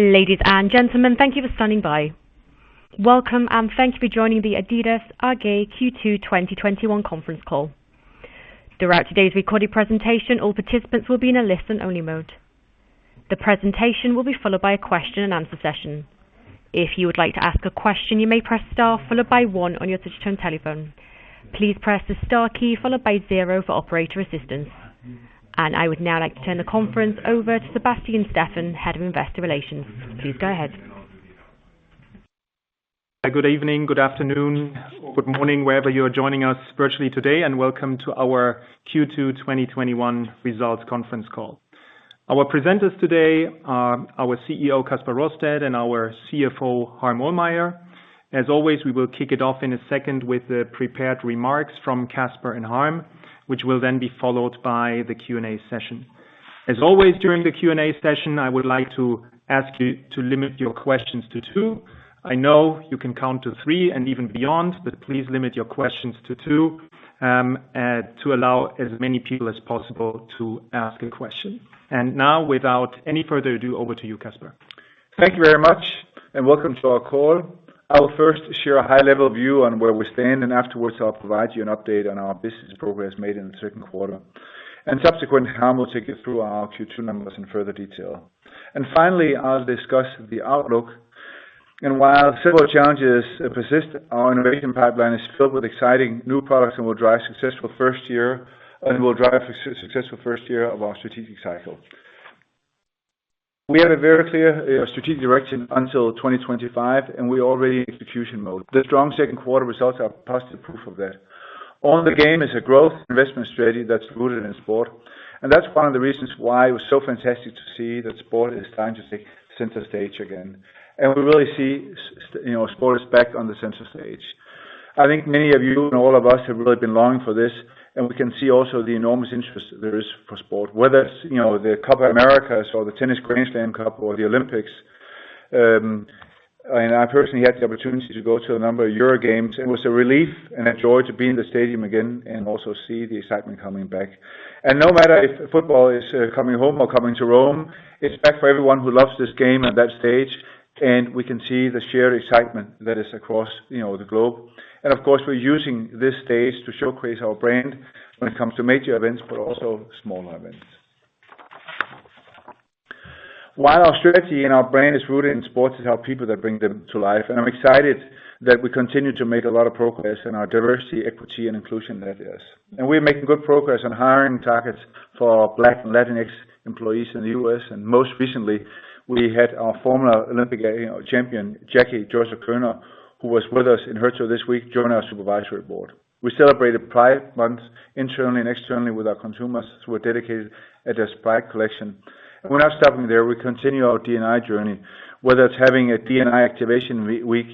Ladies and gentlemen, thank you for standing by. Welcome, thank you for joining the adidas AG Q2 2021 conference call. Throughout today's recorded presentation, all participants will be in a listen-only mode. The presentation will be followed by a question-and-answer session. If you would like to ask a question, you may press star followed by one on your touch-tone telephone. Please press the star key followed by zero for operator assistance. I would now like to turn the conference over to Sebastian Steffen, Head of Investor Relations. Please go ahead. Good evening, good afternoon, good morning, wherever you are joining us virtually today, and welcome to our Q2 2021 results conference call. Our presenters today are our CEO, Kasper Rorsted, and our CFO, Harm Ohlmeyer. As always, we will kick it off in a second with the prepared remarks from Kasper and Harm, which will then be followed by the Q&A session. As always, during the Q&A session, I would like to ask you to limit your questions to two. I know you can count to three and even beyond, but please limit your questions to two to allow as many people as possible to ask a question. Now, without any further ado, over to you, Kasper. Thank you very much, and welcome to our call. I will first share a high-level view on where we stand, and afterwards I'll provide you an update on our business progress made in the second quarter. Subsequent, Harm will take you through our Q2 numbers in further detail. Finally, I'll discuss the outlook. While several challenges persist, our innovation pipeline is filled with exciting new products that will drive a successful first year of our strategic cycle. We have a very clear strategic direction until 2025, and we are already in execution mode. The strong second quarter results are positive proof of that. Own the Game is a growth investment strategy that's rooted in sport, and that's one of the reasons why it was so fantastic to see that sport is starting to take center stage again. We really see sport is back on the center stage. I think many of you and all of us have really been longing for this, and we can see also the enormous interest there is for sport, whether it's the Copa América or the Tennis Grand Slam or the Olympics. I personally had the opportunity to go to a number of Euro games, and it was a relief and a joy to be in the stadium again and also see the excitement coming back. No matter if football is coming home or coming to Rome, it's back for everyone who loves this game at that stage, and we can see the sheer excitement that is across the globe. Of course, we're using this stage to showcase our brand when it comes to major events, but also smaller events. While our strategy and our brand is rooted in sports, it's our people that bring them to life. I'm excited that we continue to make a lot of progress in our diversity, equity, and inclusion areas. We are making good progress on hiring targets for our Black and Latinx employees in the U.S., and most recently, we had our former Olympic champion, Jackie Joyner-Kersee, who was with us in Herzog this week, join our supervisory board. We celebrated Pride Month internally and externally with our consumers who are dedicated at this Pride collection. We're not stopping there. We continue our D&I journey, whether it's having a D&I activation week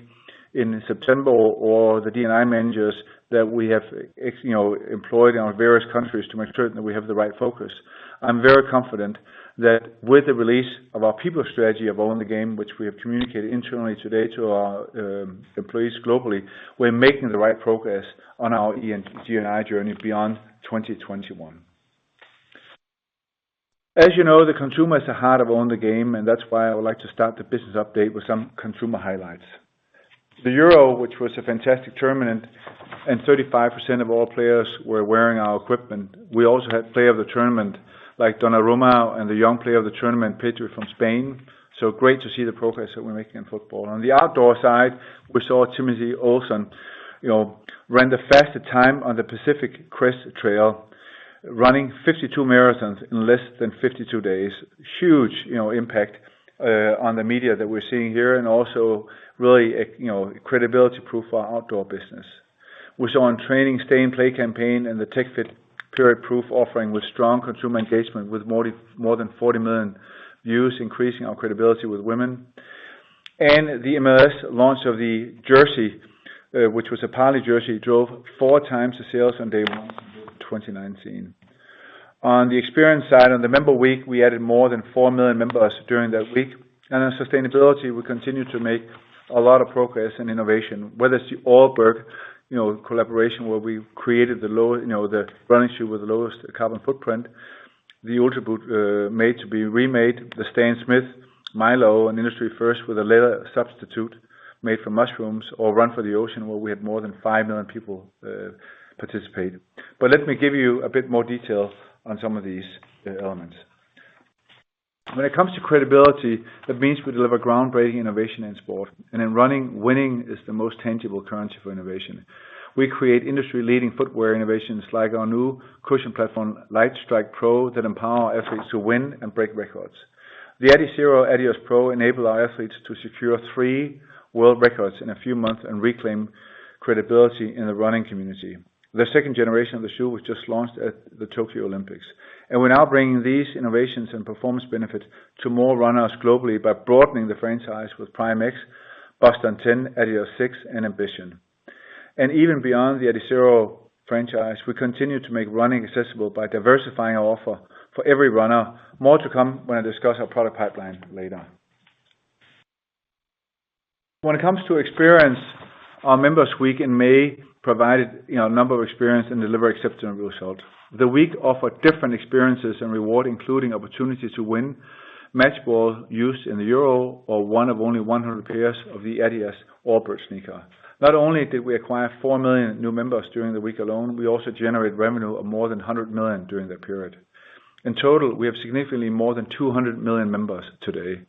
in September or the D&I managers that we have employed in our various countries to make certain that we have the right focus. I'm very confident that with the release of our people strategy of Own the Game, which we have communicated internally today to our employees globally, we're making the right progress on our D&I journey beyond 2021. You know, the consumer is the heart of Own the Game. That's why I would like to start the business update with some consumer highlights. The Euro, which was a fantastic tournament. 35% of all players were wearing our equipment. We also had player of the tournament, like Donnarumma and the young player of the tournament, Pedri from Spain. Great to see the progress that we're making in football. On the outdoor side, we saw Timothy Olson run the fastest time on the Pacific Crest Trail, running 52 marathons in less than 52 days. Huge impact on the media that we're seeing here and also really credibility proof for our outdoor business. We saw on training Stay in Play campaign and the TechFit Period Proof offering with strong consumer engagement with more than 40 million views, increasing our credibility with women. The e-com launch of the jersey, which was a Parley jersey, drove 4x the sales on day one compared to 2019. On the experience side, on the Members Week, we added more than four million members during that week. On sustainability, we continue to make a lot of progress in innovation, whether it's the Allbirds collaboration, where we created the running shoe with the lowest carbon footprint, the Ultraboost Made to Be Remade, the Stan Smith Mylo, an industry first with a leather substitute made from mushrooms, or Run For The Oceans, where we had more than five million people participate. Let me give you a bit more detail on some of these elements. When it comes to credibility, that means we deliver groundbreaking innovation in sport. In running, winning is the most tangible currency for innovation. We create industry-leading footwear innovations like our new cushion platform, Lightstrike Pro, that empower our athletes to win and break records. The Adizero Adios Pro enabled our athletes to secure three world records in a few months and reclaim credibility in the running community. The second generation of the shoe was just launched at the Olympics. We're now bringing these innovations and performance benefits to more runners globally by broadening the franchise with Prime X, Boston 10, Adios 6, and Ambition. Even beyond the Adizero franchise, we continue to make running accessible by diversifying our offer for every runner. More to come when I discuss our product pipeline later. When it comes to experience, our Members Week in May provided a number of experience and delivered exceptional results. The week offered different experiences and reward, including opportunity to win match ball used in the Euro or one of only 100 pairs of the adidas Allbirds sneaker. Not only did we acquire four million new members during the week alone, we also generate revenue of more than 100 million during that period. In total, we have significantly more than 200 million members today.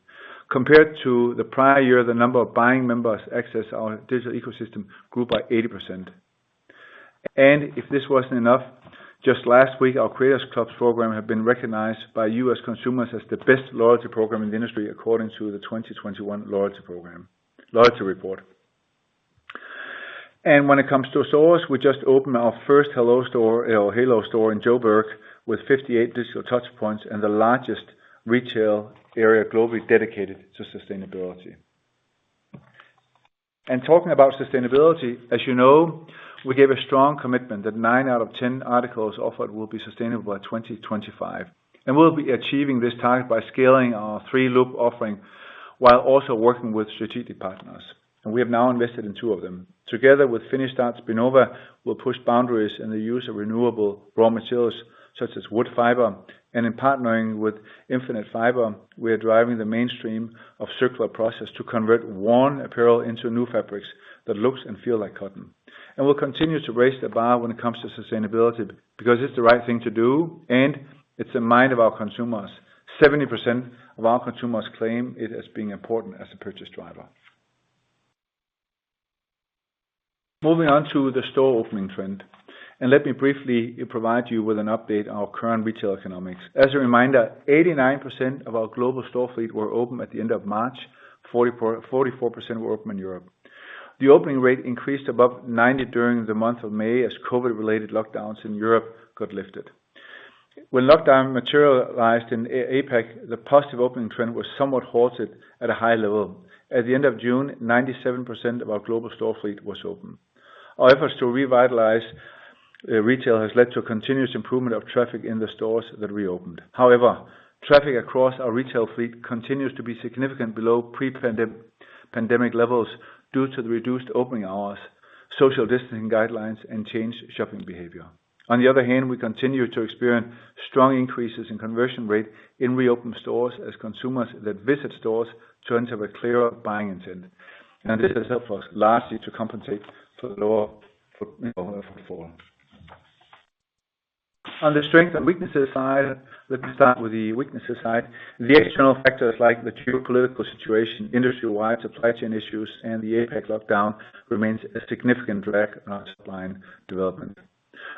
Compared to the prior year, the number of buying members access our digital ecosystem grew by 80%. If this wasn't enough, just last week, our Creators Club program had been recognized by U.S. consumers as the best loyalty program in the industry according to The Loyalty Report 2021. When it comes to stores, we just opened our first Halo store in Joburg with 58 digital touch points and the largest retail area globally dedicated to sustainability. Talking about sustainability, as you know, we gave a strong commitment that nine out of 10 articles offered will be sustainable by 2025. We'll be achieving this target by scaling our Three Loop offering while also working with strategic partners, and we have now invested in two of them. Together with Finnish Spinnova will push boundaries in the use of renewable raw materials such as wood fiber, in partnering with Infinited Fiber Company, we are driving the mainstream of circular process to convert worn apparel into new fabrics that looks and feel like cotton. We'll continue to raise the bar when it comes to sustainability because it's the right thing to do, and it's in mind of our consumers. 70% of our consumers claim it as being important as a purchase driver. Moving on to the store opening trend, let me briefly provide you with an update on our current retail economics. As a reminder, 89% of our global store fleet were open at the end of March, 44% were open in Europe. The opening rate increased above 90% during the month of May as COVID-related lockdowns in Europe got lifted. When lockdown materialized in APAC, the positive opening trend was somewhat halted at a high level. At the end of June, 97% of our global store fleet was open. Our efforts to revitalize retail has led to a continuous improvement of traffic in the stores that reopened. However, traffic across our retail fleet continues to be significantly below pre-pandemic levels due to the reduced opening hours, social distancing guidelines, and changed shopping behavior. We continue to experience strong increases in conversion rate in reopened stores as consumers that visit stores tend to have a clearer buying intent. This has helped us largely to compensate for the lower footfall. On the strength and weaknesses side, let me start with the weaknesses side. The external factors like the geopolitical situation, industry-wide supply chain issues, and the APAC lockdown remain a significant drag on our top-line development.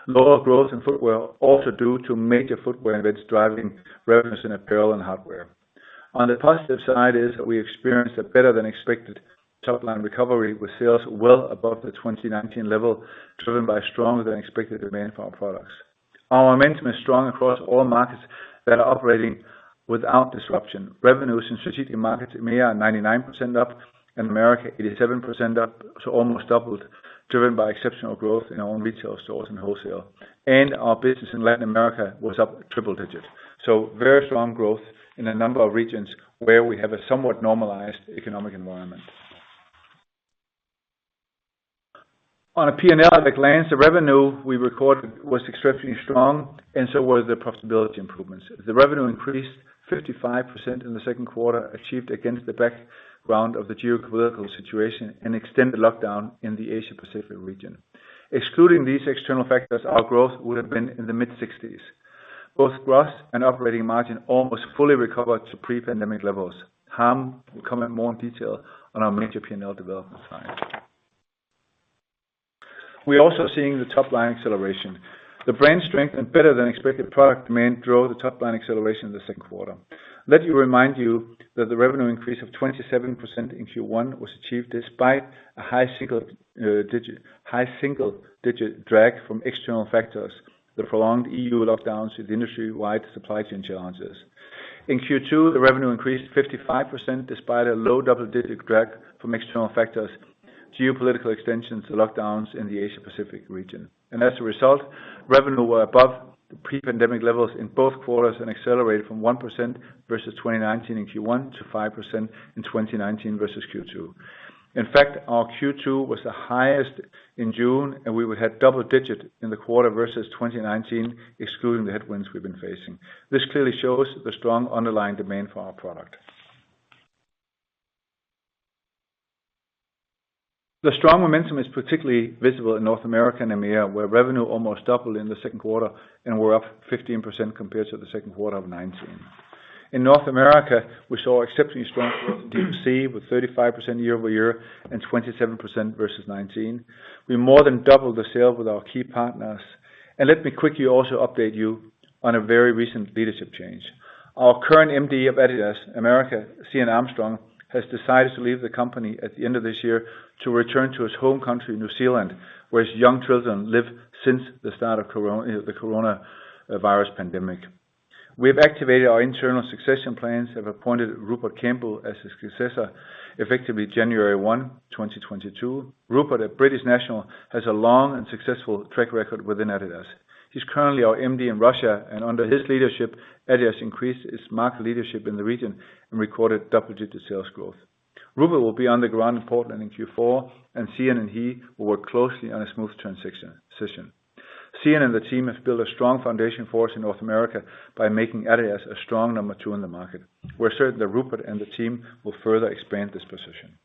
Lower growth in footwear also due to major footwear events driving revenues in apparel and hardware. On the positive side is that we experienced a better-than-expected top-line recovery with sales well above the 2019 level, driven by stronger-than-expected demand for our products. Our momentum is strong across all markets that are operating without disruption. Revenues in strategic markets in EMEA are 99% up and America 87% up, so almost doubled, driven by exceptional growth in our own retail stores and wholesale. Our business in Latin America was up triple digits. Very strong growth in a number of regions where we have a somewhat normalized economic environment. On a P&L at a glance, the revenue we recorded was exceptionally strong, and so were the profitability improvements. The revenue increased 55% in the second quarter, achieved against the background of the geopolitical situation and extended lockdown in the Asia-Pacific region. Excluding these external factors, our growth would have been in the mid-60%s. Both gross and operating margin almost fully recovered to pre-pandemic levels. Harm will comment more in detail on our major P&L development side. We're also seeing the top line acceleration. The brand strength and better-than-expected product demand drove the top line acceleration in the second quarter. Let me remind you that the revenue increase of 27% in Q1 was achieved despite a high single-digit drag from external factors, the prolonged EU lockdowns with industry-wide supply chain challenges. In Q2, the revenue increased 55%, despite a low double-digit drag from external factors, geopolitical extensions, lockdowns in the Asia-Pacific region. As a result, revenue were above the pre-pandemic levels in both quarters and accelerated from 1% versus 2019 in Q1 to 5% in 2019 versus Q2. In fact, our Q2 was the highest in June, and we would have double digit in the quarter versus 2019, excluding the headwinds we've been facing. This clearly shows the strong underlying demand for our product. The strong momentum is particularly visible in North America and EMEA, where revenue almost doubled in the second quarter and were up 15% compared to the second quarter of 2019. In North America, we saw exceptionally strong growth in D2C with 35% year-over-year and 27% versus 2019. We more than doubled the sale with our key partners. Let me quickly also update you on a very recent leadership change. Our current MD of adidas America, Zion Armstrong, has decided to leave the company at the end of this year to return to his home country, New Zealand, where his young children live since the start of the coronavirus pandemic. We have activated our internal succession plans, have appointed Rupert Campbell as his successor, effectively January 1, 2022. Rupert, a British national, has a long and successful track record within adidas. He's currently our MD in Russia, and under his leadership, adidas increased its market leadership in the region and recorded double-digit sales growth. Rupert will be on the ground in Portland in Q4. Zion and he will work closely on a smooth transition. Zion and the team have built a strong foundation for us in North America by making adidas a strong number two in the market. We're certain that Rupert and the team will further expand this position.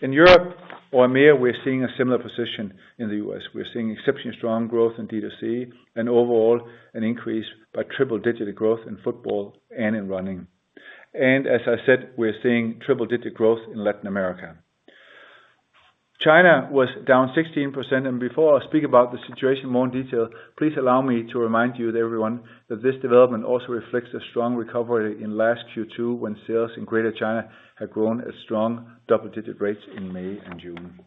In Europe or EMEA, we're seeing a similar position in the U.S. We're seeing exceptionally strong growth in D2C and overall an increase by triple-digit growth in football and in running. As I said, we're seeing triple-digit growth in Latin America. China was down 16%, Before I speak about the situation in more detail, please allow me to remind you, everyone, that this development also reflects a strong recovery in last Q2 when sales in Greater China had grown at strong double-digit rates in May and June.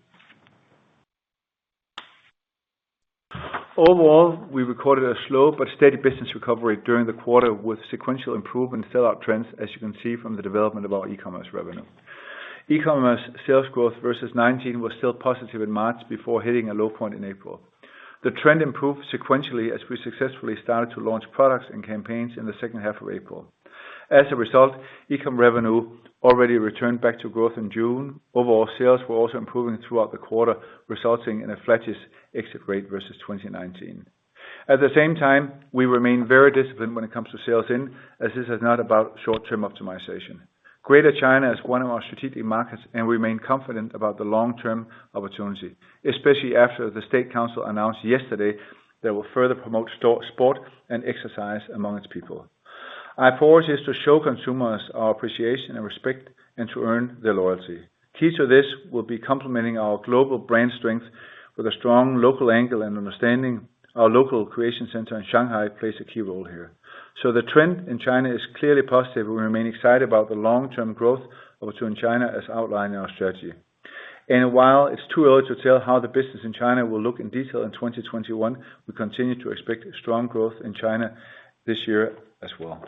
Overall, we recorded a slow but steady business recovery during the quarter with sequential improvement in sell-out trends, as you can see from the development of our e-commerce revenue. E-commerce sales growth versus 2019 was still positive in March before hitting a low point in April. The trend improved sequentially as we successfully started to launch products and campaigns in the second half of April. As a result, e-com revenue already returned back to growth in June. Overall sales were also improving throughout the quarter, resulting in a flattish exit rate versus 2019. At the same time, we remain very disciplined when it comes to sales in, as this is not about short-term optimization. Greater China is one of our strategic markets, and we remain confident about the long-term opportunity, especially after the State Council announced yesterday they will further promote sport and exercise among its people. Our approach is to show consumers our appreciation and respect and to earn their loyalty. Key to this will be complementing our global brand strength with a strong local angle and understanding. Our local creation center in Shanghai plays a key role here. The trend in China is clearly positive, and we remain excited about the long-term growth of us in China as outlined in our strategy. While it's too early to tell how the business in China will look in detail in 2021, we continue to expect strong growth in China this year as well.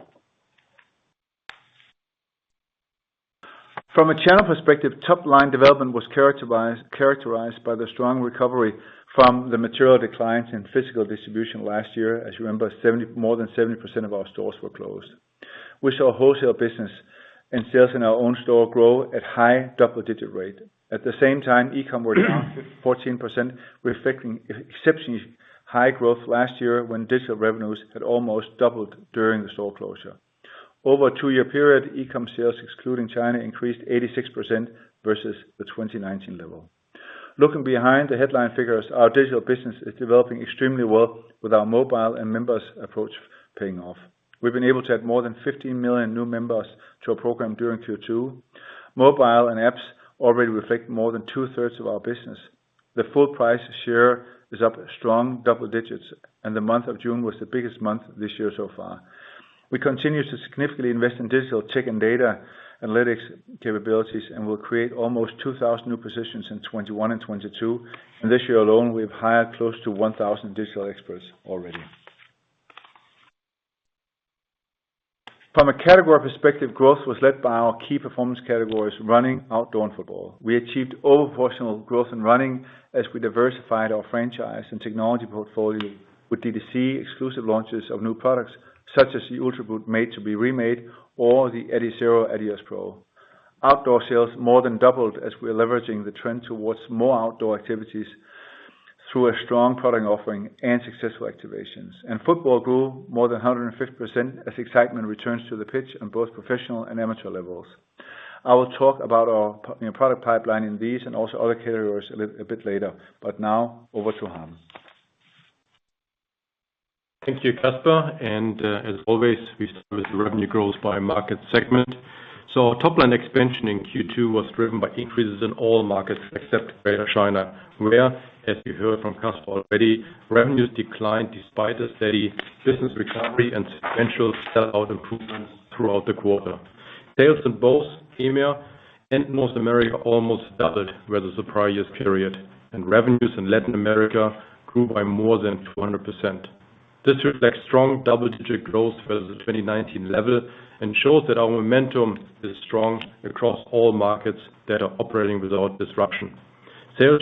From a channel perspective, top-line development was characterized by the strong recovery from the material declines in physical distribution last year. As you remember, more than 70% of our stores were closed. We saw wholesale business and sales in our own store grow at high double-digit rate. At the same time, e-com was down 14%, reflecting exceptionally high growth last year when digital revenues had almost doubled during the store closure. Over a two-year period, e-com sales, excluding China, increased 86% versus the 2019 level. Looking behind the headline figures, our digital business is developing extremely well with our mobile and members approach paying off. We've been able to add more than 15 million new members to our program during Q2. Mobile and apps already reflect more than two-thirds of our business. The full price share is up strong double digits, and the month of June was the biggest month this year so far. We continue to significantly invest in digital tech and data analytics capabilities and will create almost 2,000 new positions in 2021 and 2022. This year alone, we have hired close to 1,000 digital experts already. From a category perspective, growth was led by our key performance categories, running, outdoor, and football. We achieved overproportional growth in running as we diversified our franchise and technology portfolio with D2C exclusive launches of new products such as the Ultraboost Made to Be Remade or the Adizero Adios Pro. Outdoor sales more than doubled as we are leveraging the trend towards more outdoor activities through a strong product offering and successful activations. Football grew more than 150% as excitement returns to the pitch in both professional and amateur levels. I will talk about our product pipeline in these and also other categories a bit later. Now, over to Harm. Thank you, Kasper. As always, we start with revenue growth by market segment. Our top-line expansion in Q2 was driven by increases in all markets except Greater China, where, as you heard from Kasper already, revenues declined despite a steady business recovery and sequential sellout improvements throughout the quarter. Sales in both EMEA and North America almost doubled over the prior year's period. Revenues in Latin America grew by more than 200%. This reflects strong double-digit growth for the 2019 level and shows that our momentum is strong across all markets that are operating without disruption. Sales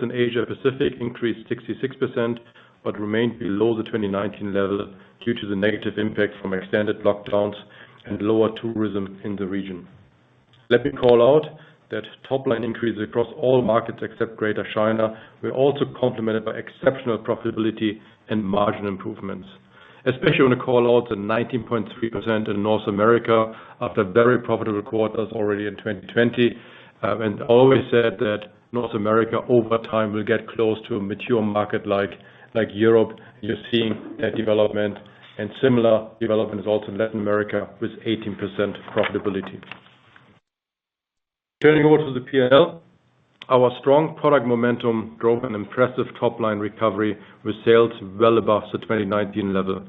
in Asia-Pacific increased 66% but remained below the 2019 level due to the negative impact from extended lockdowns and lower tourism in the region. Let me call out that top-line increase across all markets except Greater China were also complemented by exceptional profitability and margin improvements, especially when you call out the 19.3% in North America after very profitable quarters already in 2020. I've always said that North America over time will get close to a mature market like Europe. You're seeing that development, and similar development results in Latin America with 18% profitability. Turning over to the P&L, our strong product momentum drove an impressive top-line recovery with sales well above the 2019 level.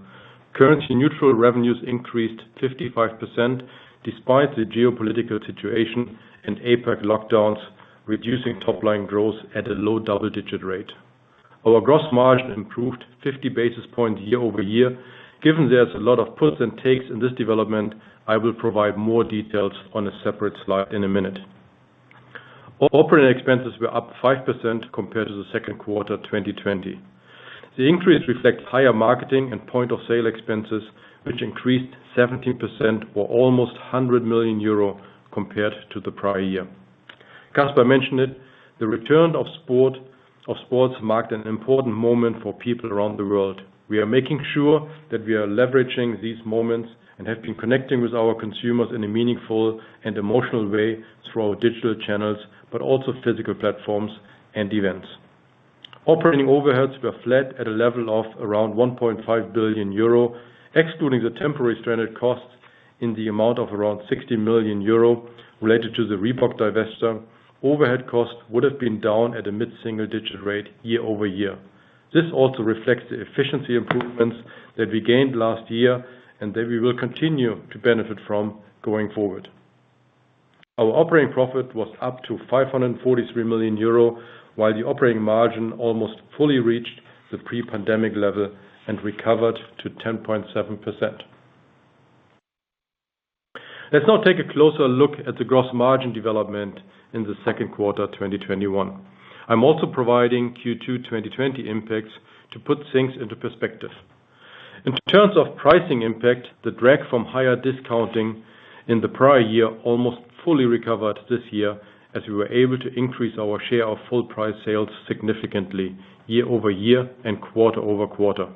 Currency-neutral revenues increased 55%, despite the geopolitical situation and APAC lockdowns, reducing top-line growth at a low double-digit rate. Our gross margin improved 50 basis points year-over-year. Given there's a lot of puts and takes in this development, I will provide more details on a separate slide in a minute. Operating expenses were up 5% compared to the second quarter 2020. The increase reflects higher marketing and point-of-sale expenses, which increased 17% or almost 100 million euro compared to the prior year. Kasper mentioned it, the return of sports marked an important moment for people around the world. We are making sure that we are leveraging these moments and have been connecting with our consumers in a meaningful and emotional way through our digital channels, but also physical platforms and events. Operating overheads were flat at a level of around 1.5 billion euro, excluding the temporary stranded costs in the amount of around 60 million euro related to the Reebok divestment. Overhead costs would've been down at a mid-single-digit rate year-over-year. This also reflects the efficiency improvements that we gained last year and that we will continue to benefit from going forward. Our operating profit was up to 543 million euro while the operating margin almost fully reached the pre-pandemic level and recovered to 10.7%. Let's now take a closer look at the gross margin development in the second quarter 2021. I am also providing Q2 2020 impacts to put things into perspective. In terms of pricing impact, the drag from higher discounting in the prior year almost fully recovered this year, as we were able to increase our share of full-price sales significantly year-over-year and quarter-over-quarter.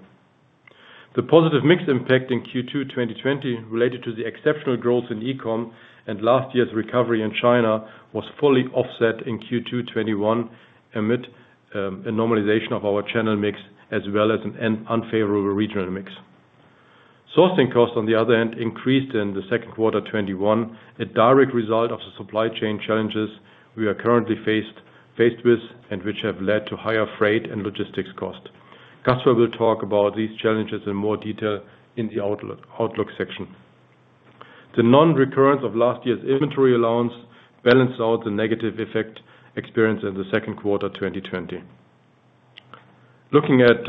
The positive mix impact in Q2 2020 related to the exceptional growth in e-com and last year's recovery in China was fully offset in Q2 2021 amid a normalization of our channel mix as well as an unfavorable regional mix. Sourcing costs on the other hand increased in the second quarter 2021, a direct result of the supply chain challenges we are currently faced with and which have led to higher freight and logistics cost. Kasper will talk about these challenges in more detail in the outlook section. The non-recurrence of last year's inventory allowance balanced out the negative effect experienced in the second quarter 2020. Looking at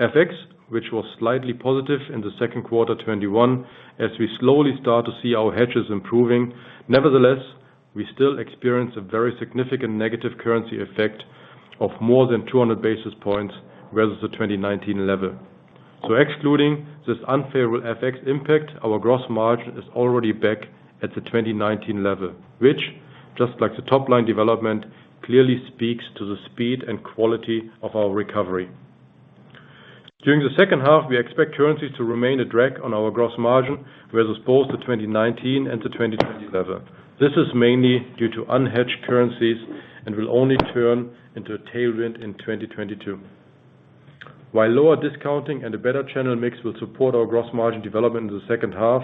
FX, which was slightly positive in the second quarter 2021, as we slowly start to see our hedges improving. Nevertheless, we still experience a very significant negative currency effect of more than 200 basis points versus the 2019 level. Excluding this unfavorable FX impact, our gross margin is already back at the 2019 level, which just like the top-line development, clearly speaks to the speed and quality of our recovery. During the second half, we expect currencies to remain a drag on our gross margin versus both the 2019 and the 2020 level. This is mainly due to unhedged currencies and will only turn into a tailwind in 2022. While lower discounting and a better channel mix will support our gross margin development in the second half,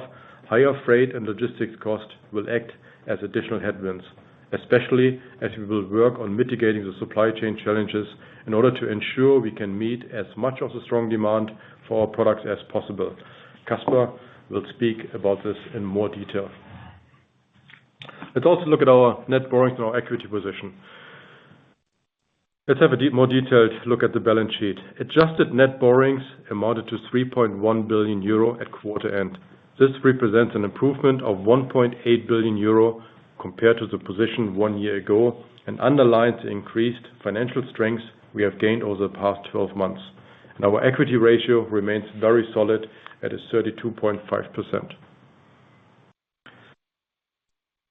higher freight and logistics cost will act as additional headwinds, especially as we will work on mitigating the supply chain challenges in order to ensure we can meet as much of the strong demand for our products as possible. Kasper will speak about this in more detail. Let's also look at our net borrowings and our equity position. Let's have a more detailed look at the balance sheet. Adjusted net borrowings amounted to 3.1 billion euro at quarter end. This represents an improvement of 1.8 billion euro compared to the position one year ago and underlines the increased financial strength we have gained over the past 12 months. Our equity ratio remains very solid at 32.5%.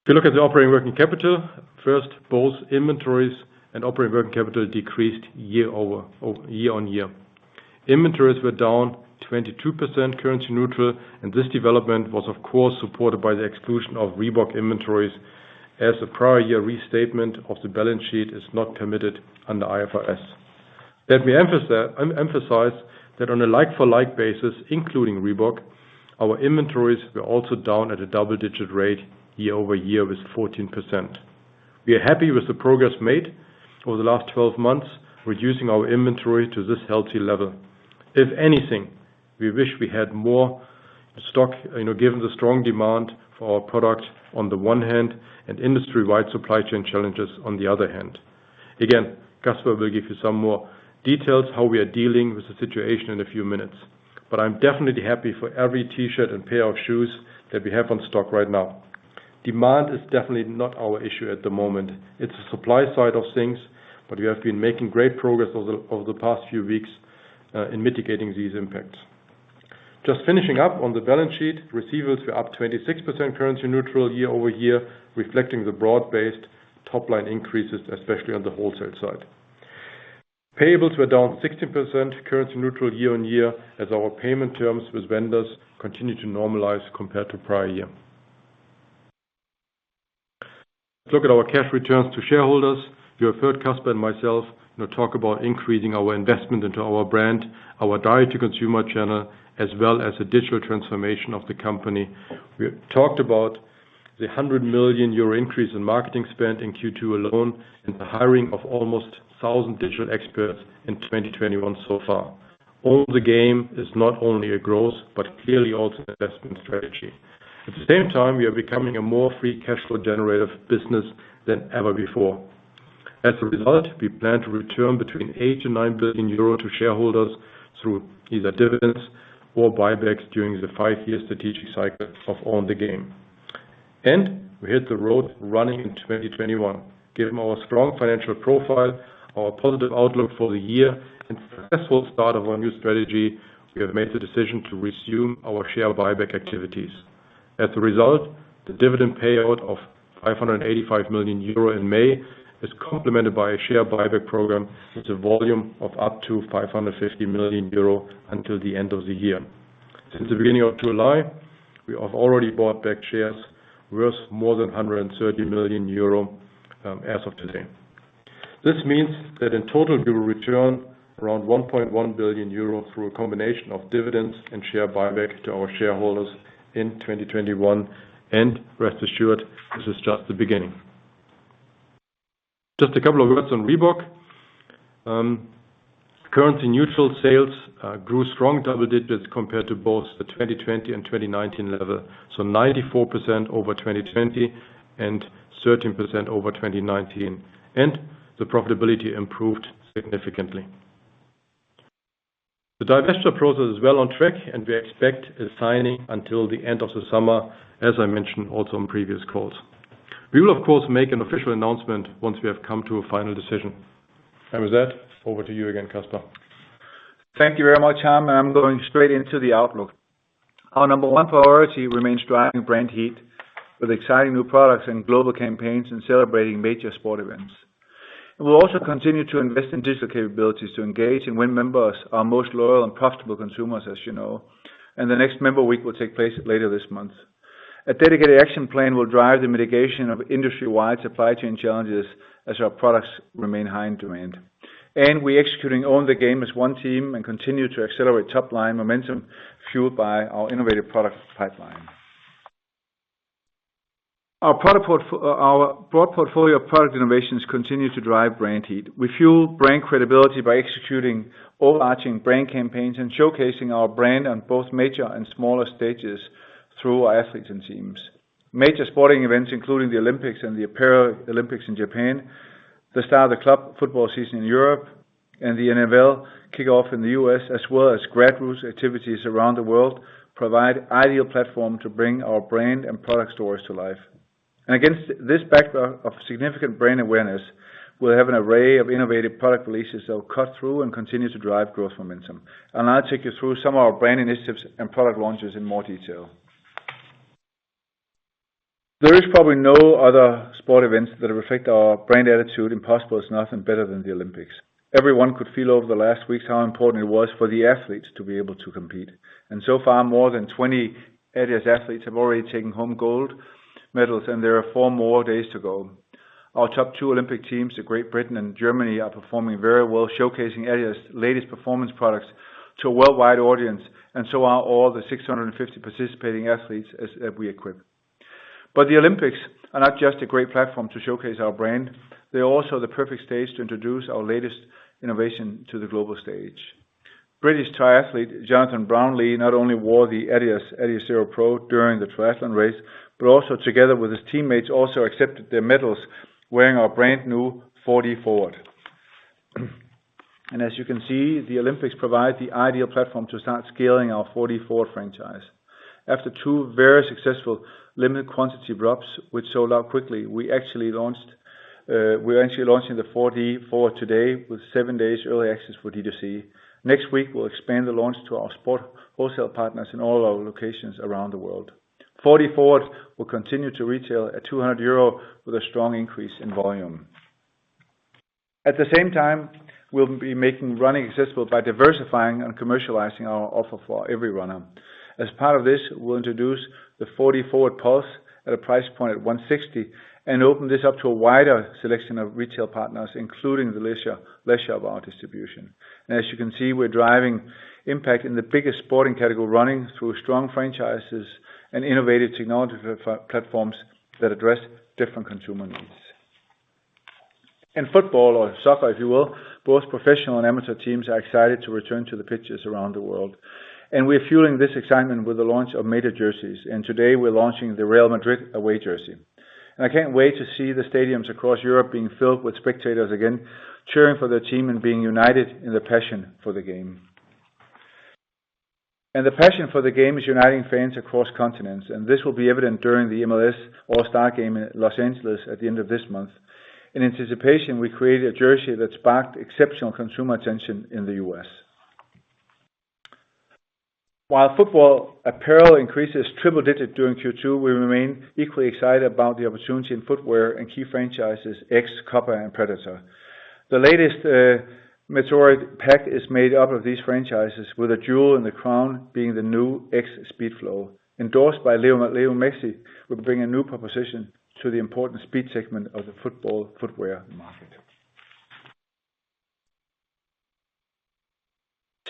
If you look at the operating working capital, first, both inventories and operating working capital decreased year-on-year. Inventories were down 22% currency neutral. This development was of course supported by the exclusion of Reebok inventories as a prior year restatement of the balance sheet is not permitted under IFRS. Let me emphasize that on a like-for-like basis, including Reebok, our inventories were also down at a double-digit rate year-over-year with 14%. We are happy with the progress made over the last 12 months reducing our inventory to this healthy level. If anything, we wish we had more stock, given the strong demand for our product on the one hand and industry-wide supply chain challenges on the other hand. Again, Kasper will give you some more details how we are dealing with the situation in a few minutes, but I'm definitely happy for every T-shirt and pair of shoes that we have on stock right now. Demand is definitely not our issue at the moment. It's the supply side of things, but we have been making great progress over the past few weeks, in mitigating these impacts. Just finishing up on the balance sheet, receivables were up 26% currency neutral year-over-year, reflecting the broad-based top-line increases, especially on the wholesale side. Payables were down 16% currency neutral year-on-year as our payment terms with vendors continue to normalize compared to prior year. Let's look at our cash returns to shareholders. You have heard Kasper and myself talk about increasing our investment into our brand, our direct-to-consumer channel, as well as the digital transformation of the company. We talked about the 100 million euro increase in marketing spend in Q2 alone and the hiring of almost 1,000 digital experts in 2021 so far. Own the Game is not only a growth but clearly also an investment strategy. At the same time, we are becoming a more free cash flow generative business than ever before. As a result, we plan to return between 8 billion and 9 billion euro to shareholders through either dividends or buybacks during the five-year strategic cycle of Own the Game. We hit the road running in 2021. Given our strong financial profile, our positive outlook for the year, and successful start of our new strategy, we have made the decision to resume our share buyback activities. As a result, the dividend payout of 585 million euro in May is complemented by a share buyback program with a volume of up to 550 million euro until the end of the year. Since the beginning of July, we have already bought back shares worth more than 130 million euro as of today. This means that in total, we will return around 1.1 billion euro through a combination of dividends and share buyback to our shareholders in 2021. Rest assured, this is just the beginning. Just a couple of words on Reebok. Currency-neutral sales grew strong double digits compared to both the 2020 and 2019 level, so 94% over 2020 and 13% over 2019. The profitability improved significantly. The divesture process is well on track, and we expect a signing until the end of the summer, as I mentioned also on previous calls. We will, of course, make an official announcement once we have come to a final decision. With that, over to you again, Kasper. Thank you very much, Harm. I'm going straight into the outlook. Our number one priority remains driving brand heat with exciting new products and global campaigns and celebrating major sport events. We'll also continue to invest in digital capabilities to engage and win members, our most loyal and profitable consumers, as you know. The next Member Week will take place later this month. A dedicated action plan will drive the mitigation of industry-wide supply chain challenges as our products remain high in demand. We're executing Own the Game as one team and continue to accelerate top-line momentum fueled by our innovative product pipeline. Our broad portfolio of product innovations continue to drive brand heat. We fuel brand credibility by executing overarching brand campaigns and showcasing our brand on both major and smaller stages through our athletes and teams. Major sporting events, including the Olympics and the Paralympics in Japan, the start of the club football season in Europe, and the NFL kickoff in the U.S., as well as grassroots activities around the world, provide ideal platform to bring our brand and product stories to life. Against this backdrop of significant brand awareness, we'll have an array of innovative product releases that will cut through and continue to drive growth momentum. I'll take you through some of our brand initiatives and product launches in more detail. There is probably no other sport events that reflect our brand attitude, Impossible is Nothing, better than the Olympics. Everyone could feel over the last weeks how important it was for the athletes to be able to compete. So far, more than 20 adidas athletes have already taken home gold medals, and there are four more days to go. Our top two Olympics teams, Great Britain and Germany, are performing very well, showcasing Adidas latest performance products to a worldwide audience, and so are all the 650 participating athletes that we equip. The Olympics are not just a great platform to showcase our brand. They're also the perfect stage to introduce our latest innovation to the global stage. British triathlete Jonathan Brownlee not only wore the Adidas Adizero Pro during the triathlon race but together with his teammates, also accepted their medals wearing our brand-new 4DFWD. As you can see, the Olympics provide the ideal platform to start scaling our 4DFWD franchise. After two very successful limited quantity drops, which sold out quickly, we're actually launching the 4DFWD today with seven days early access for D2C. Next week, we'll expand the launch to our sport wholesale partners in all our locations around the world. 4DFWD will continue to retail at 200 euro with a strong increase in volume. At the same time, we'll be making running accessible by diversifying and commercializing our offer for every runner. As part of this, we'll introduce the 4DFWD Pulse at a price point at 160 and open this up to a wider selection of retail partners, including the leisure of our distribution. As you can see, we're driving impact in the biggest sporting category, running, through strong franchises and innovative technology platforms that address different consumer needs. In football or soccer, if you will, both professional and amateur teams are excited to return to the pitches around the world. We're fueling this excitement with the launch of meta jerseys, today we're launching the Real Madrid away jersey. I can't wait to see the stadiums across Europe being filled with spectators again, cheering for their team and being united in their passion for the game. The passion for the game is uniting fans across continents, this will be evident during the MLS All-Star Game in Los Angeles. at the end of this month. In anticipation, we created a jersey that sparked exceptional consumer attention in the U.S. While football apparel increases triple digit during Q2, we remain equally excited about the opportunity in footwear and key franchises, X, Copa, and Predator. The latest metallic pack is made up of these franchises with a jewel in the crown being the new X Speedflow. Endorsed by Lionel Messi, we bring a new proposition to the important speed segment of the football footwear market.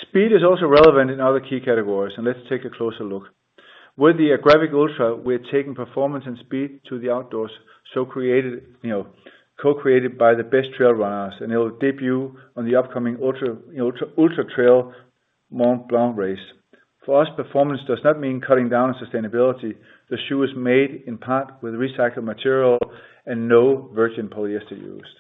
Speed is also relevant in other key categories. Let's take a closer look. With the Agravic Ultra, we're taking performance and speed to the outdoors, co-created by the best trail runners, and it will debut on the upcoming Ultra-Trail du Mont-Blanc race. For us, performance does not mean cutting down on sustainability. The shoe is made in part with recycled material and no virgin polyester used.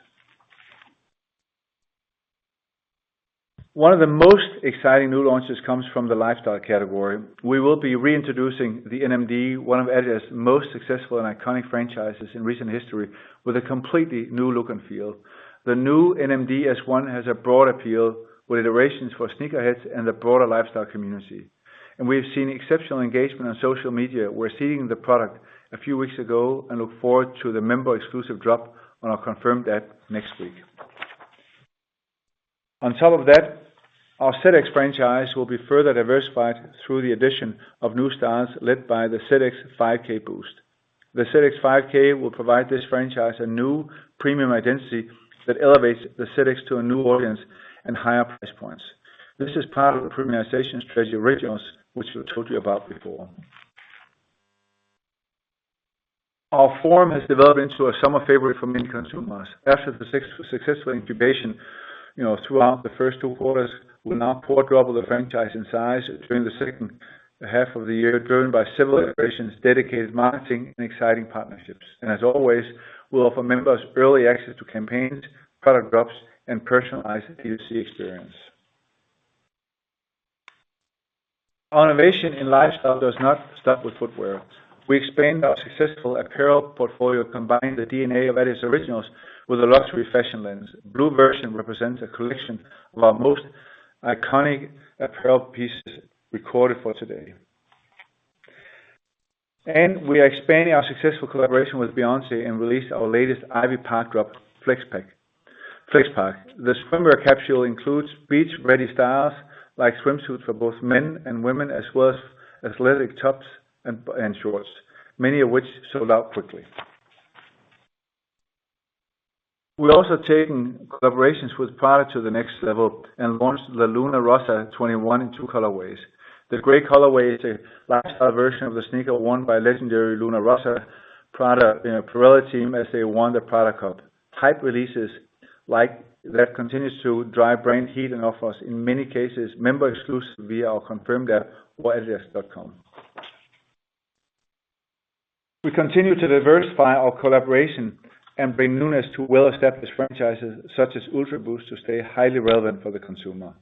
One of the most exciting new launches comes from the lifestyle category. We will be reintroducing the NMD, one of adidas' most successful and iconic franchises in recent history, with a completely new look and feel. The new NMD S1 has a broad appeal with iterations for sneakerheads and the broader lifestyle community, and we have seen exceptional engagement on social media. We're seeing the product a few weeks ago and look forward to the member exclusive drop on our Confirmed app next week. On top of that, our ZX franchise will be further diversified through the addition of new styles led by the ZX 5K Boost. The ZX 5K will provide this franchise a new premium identity that elevates the ZX to a new audience and higher price points. This is part of the premiumization strategy Originals, which we told you about before. Our Forum has developed into a summer favorite for many consumers. After the successful incubation throughout the first two quarters, we'll now quadruple the franchise in size during the second half of the year, driven by several iterations, dedicated marketing, and exciting partnerships. As always, we'll offer members early access to campaigns, product drops, and personalized D2C experience. Our innovation in lifestyle does not stop with footwear. We expanded our successful apparel portfolio, combining the DNA of adidas Originals with a luxury fashion lens. Blue Version represents a collection of our most iconic apparel pieces recorded for today. We are expanding our successful collaboration with Beyoncé and released our latest Ivy Park drop, Flex Park. The swimwear capsule includes beach-ready styles like swimsuits for both men and women, as well as athletic tops and shorts, many of which sold out quickly. We're also taking collaborations with Prada to the next level and launched the LUNA ROSSA 21 in two colorways. The gray colorway is a lifestyle version of the sneaker won by legendary Luna Rossa Prada Pirelli Team as they won the Prada Cup. Hype releases like that continues to drive brand heat and offers, in many cases, member exclusive via our Confirmed app or adidas.com. We continue to diversify our collaboration and bring newness to well-established franchises such as Ultraboost to stay highly relevant for the consumer.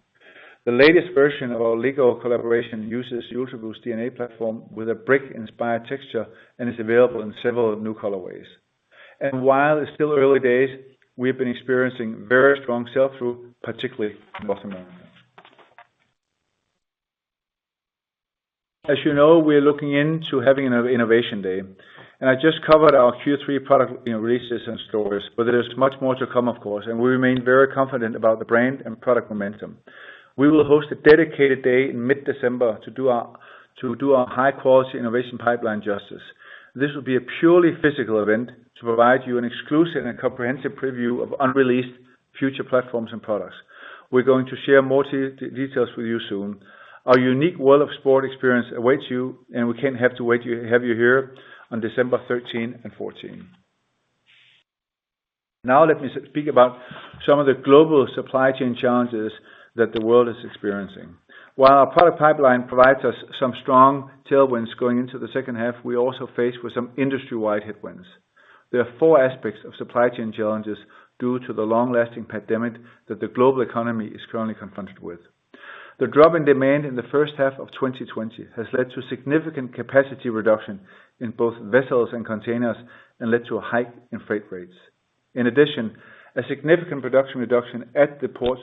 The latest version of our Lego collaboration uses Ultraboost DNA platform with a brick-inspired texture and is available in several new colorways. While it's still early days, we've been experiencing very strong sell-through, particularly in North America. As you know, we're looking into having an innovation day. I just covered our Q3 product releases and stories. There is much more to come, of course. We remain very confident about the brand and product momentum. We will host a dedicated day in mid-December to do our high-quality innovation pipeline justice. This will be a purely physical event to provide you an exclusive and comprehensive preview of unreleased future platforms and products. We're going to share more details with you soon. Our unique world of sport experience awaits you, and we can't wait to have you here on December 13 and 14. Let me speak about some of the global supply chain challenges that the world is experiencing. While our product pipeline provides us some strong tailwinds going into the second half, we're also faced with some industry-wide headwinds. There are four aspects of supply chain challenges due to the long-lasting pandemic that the global economy is currently confronted with. The drop in demand in the first half of 2020 has led to significant capacity reduction in both vessels and containers and led to a hike in freight rates. A significant production reduction at the ports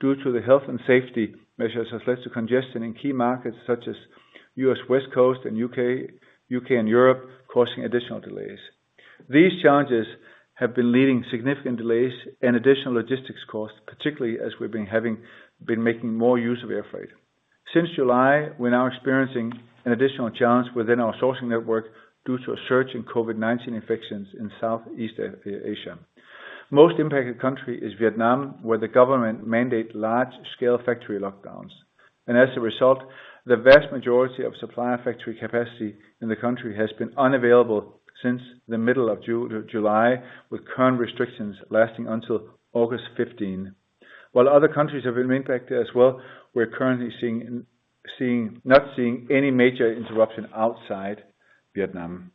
due to the health and safety measures has led to congestion in key markets such as U.S. West Coast and U.K. and Europe, causing additional delays. These challenges have been leading significant delays and additional logistics costs, particularly as we've been making more use of air freight. Since July, we're now experiencing an additional challenge within our sourcing network due to a surge in COVID-19 infections in Southeast Asia. Most impacted country is Vietnam, where the government mandated large-scale factory lockdowns, and as a result, the vast majority of supplier factory capacity in the country has been unavailable since the middle of July, with current restrictions lasting until August 15. While other countries have been impacted as well, we're currently not seeing any major interruption outside Vietnam.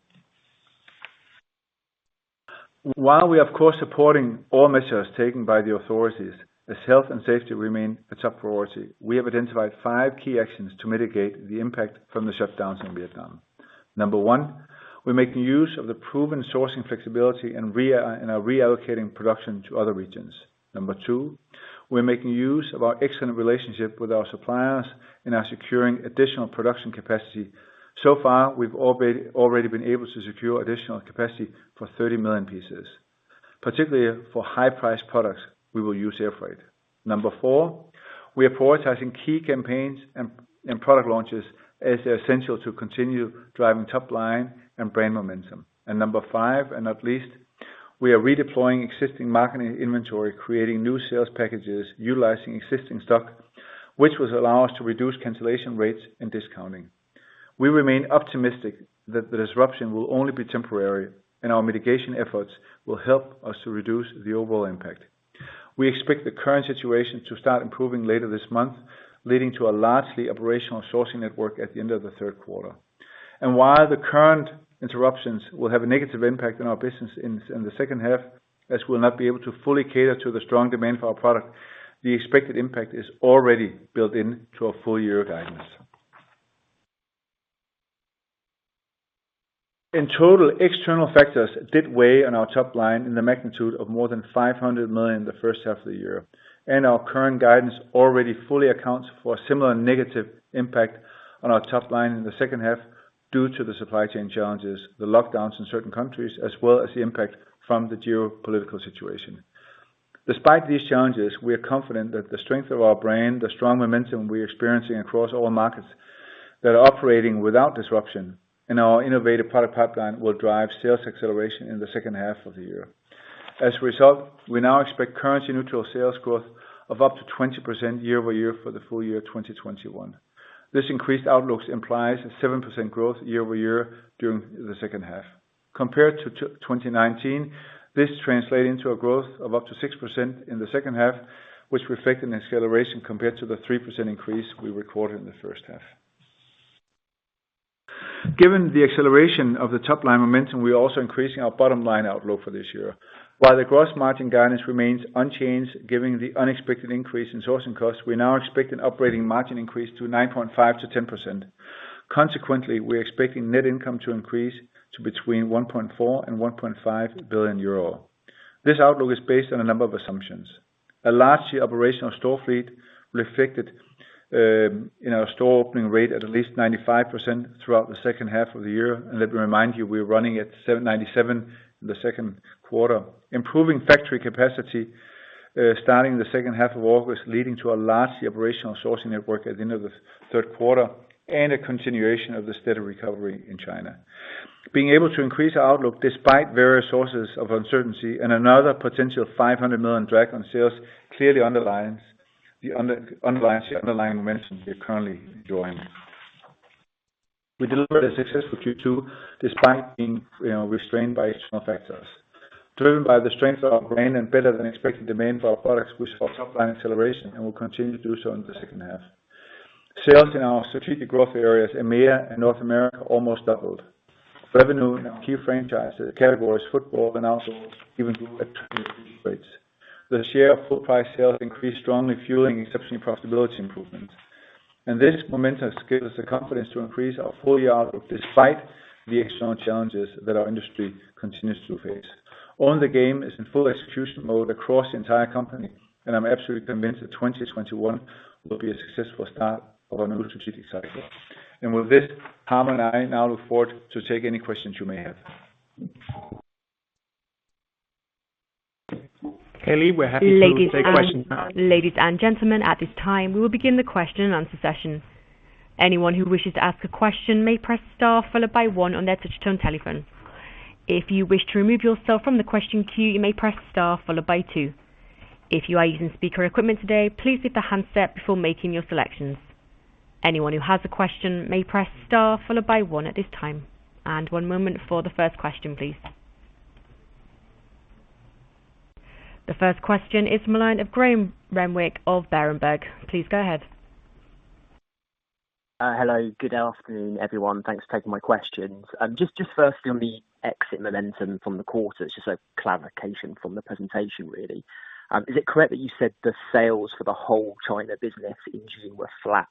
While we're, of course, supporting all measures taken by the authorities, as health and safety remain a top priority, we have identified five key actions to mitigate the impact from the shutdowns in Vietnam. Number one, we're making use of the proven sourcing flexibility and are reallocating production to other regions. Number two, we're making use of our excellent relationship with our suppliers and are securing additional production capacity. So far, we've already been able to secure additional capacity for 30 million pieces. Particularly for high-priced products, we will use air freight. Number four, we are prioritizing key campaigns and product launches as they're essential to continue driving top line and brand momentum. Number five, and not least, we are redeploying existing marketing inventory, creating new sales packages, utilizing existing stock, which will allow us to reduce cancellation rates and discounting. We remain optimistic that the disruption will only be temporary, and our mitigation efforts will help us to reduce the overall impact. We expect the current situation to start improving later this month, leading to a largely operational sourcing network at the end of the third quarter. While the current interruptions will have a negative impact on our business in the second half, as we'll not be able to fully cater to the strong demand for our product, the expected impact is already built into our full-year guidance. In total, external factors did weigh on our top line in the magnitude of more than 500 million the first half of the year. Our current guidance already fully accounts for a similar negative impact on our top line in the second half due to the supply chain challenges, the lockdowns in certain countries, as well as the impact from the geopolitical situation. Despite these challenges, we are confident that the strength of our brand, the strong momentum we're experiencing across all markets that are operating without disruption, and our innovative product pipeline will drive sales acceleration in the second half of the year. As a result, we now expect currency-neutral sales growth of up to 20% year-over-year for the full year 2021. This increased outlook implies a 7% growth year-over-year during the second half. Compared to 2019, this translates into a growth of up to 6% in the second half, which reflected an acceleration compared to the 3% increase we recorded in the first half. Given the acceleration of the top-line momentum, we are also increasing our bottom-line outlook for this year. While the gross margin guidance remains unchanged, given the unexpected increase in sourcing costs, we now expect an operating margin increase to 9.5%-10%. We're expecting net income to increase to between 1.4 billion and 1.5 billion euro. This outlook is based on a number of assumptions. A largely operational store fleet reflected in our store opening rate at least 95% throughout the second half of the year. Let me remind you, we're running at 797 stores in the second quarter. Improving factory capacity starting the second half of August, leading to a largely operational sourcing network at the end of the third quarter, and a continuation of the steady recovery in China. Being able to increase our outlook despite various sources of uncertainty and another potential 500 million drag on sales clearly underlines the underlying momentum we are currently enjoying. We delivered a successful Q2 despite being restrained by external factors. Driven by the strength of our brand and better-than-expected demand for our products, we saw top-line acceleration and will continue to do so in the second half. Sales in our strategic growth areas, EMEA and North America, almost doubled. Revenue in our key franchises, categories, football and also even grew at rates. The share of full price sales increased strongly, fueling exceptional This momentum gives us the confidence to increase our full-year outlook despite the external challenges that our industry continues to face. Own the Game is in full execution mode across the entire company, and I'm absolutely convinced that 2021 will be a successful start of our new strategic cycle. With this, Harm and I now look forward to take any questions you may have. Kelly, we're happy to take questions now. Ladies and gentlemen, at this time, we will begin the question and answer session. One moment for the first question, please. The first question is Graham Renwick of Berenberg. Please go ahead. Hello. Good afternoon, everyone. Thanks for taking my questions. Just firstly on the exit momentum from the quarter, just a clarification from the presentation, really. Is it correct that you said the sales for the whole China business in June were flat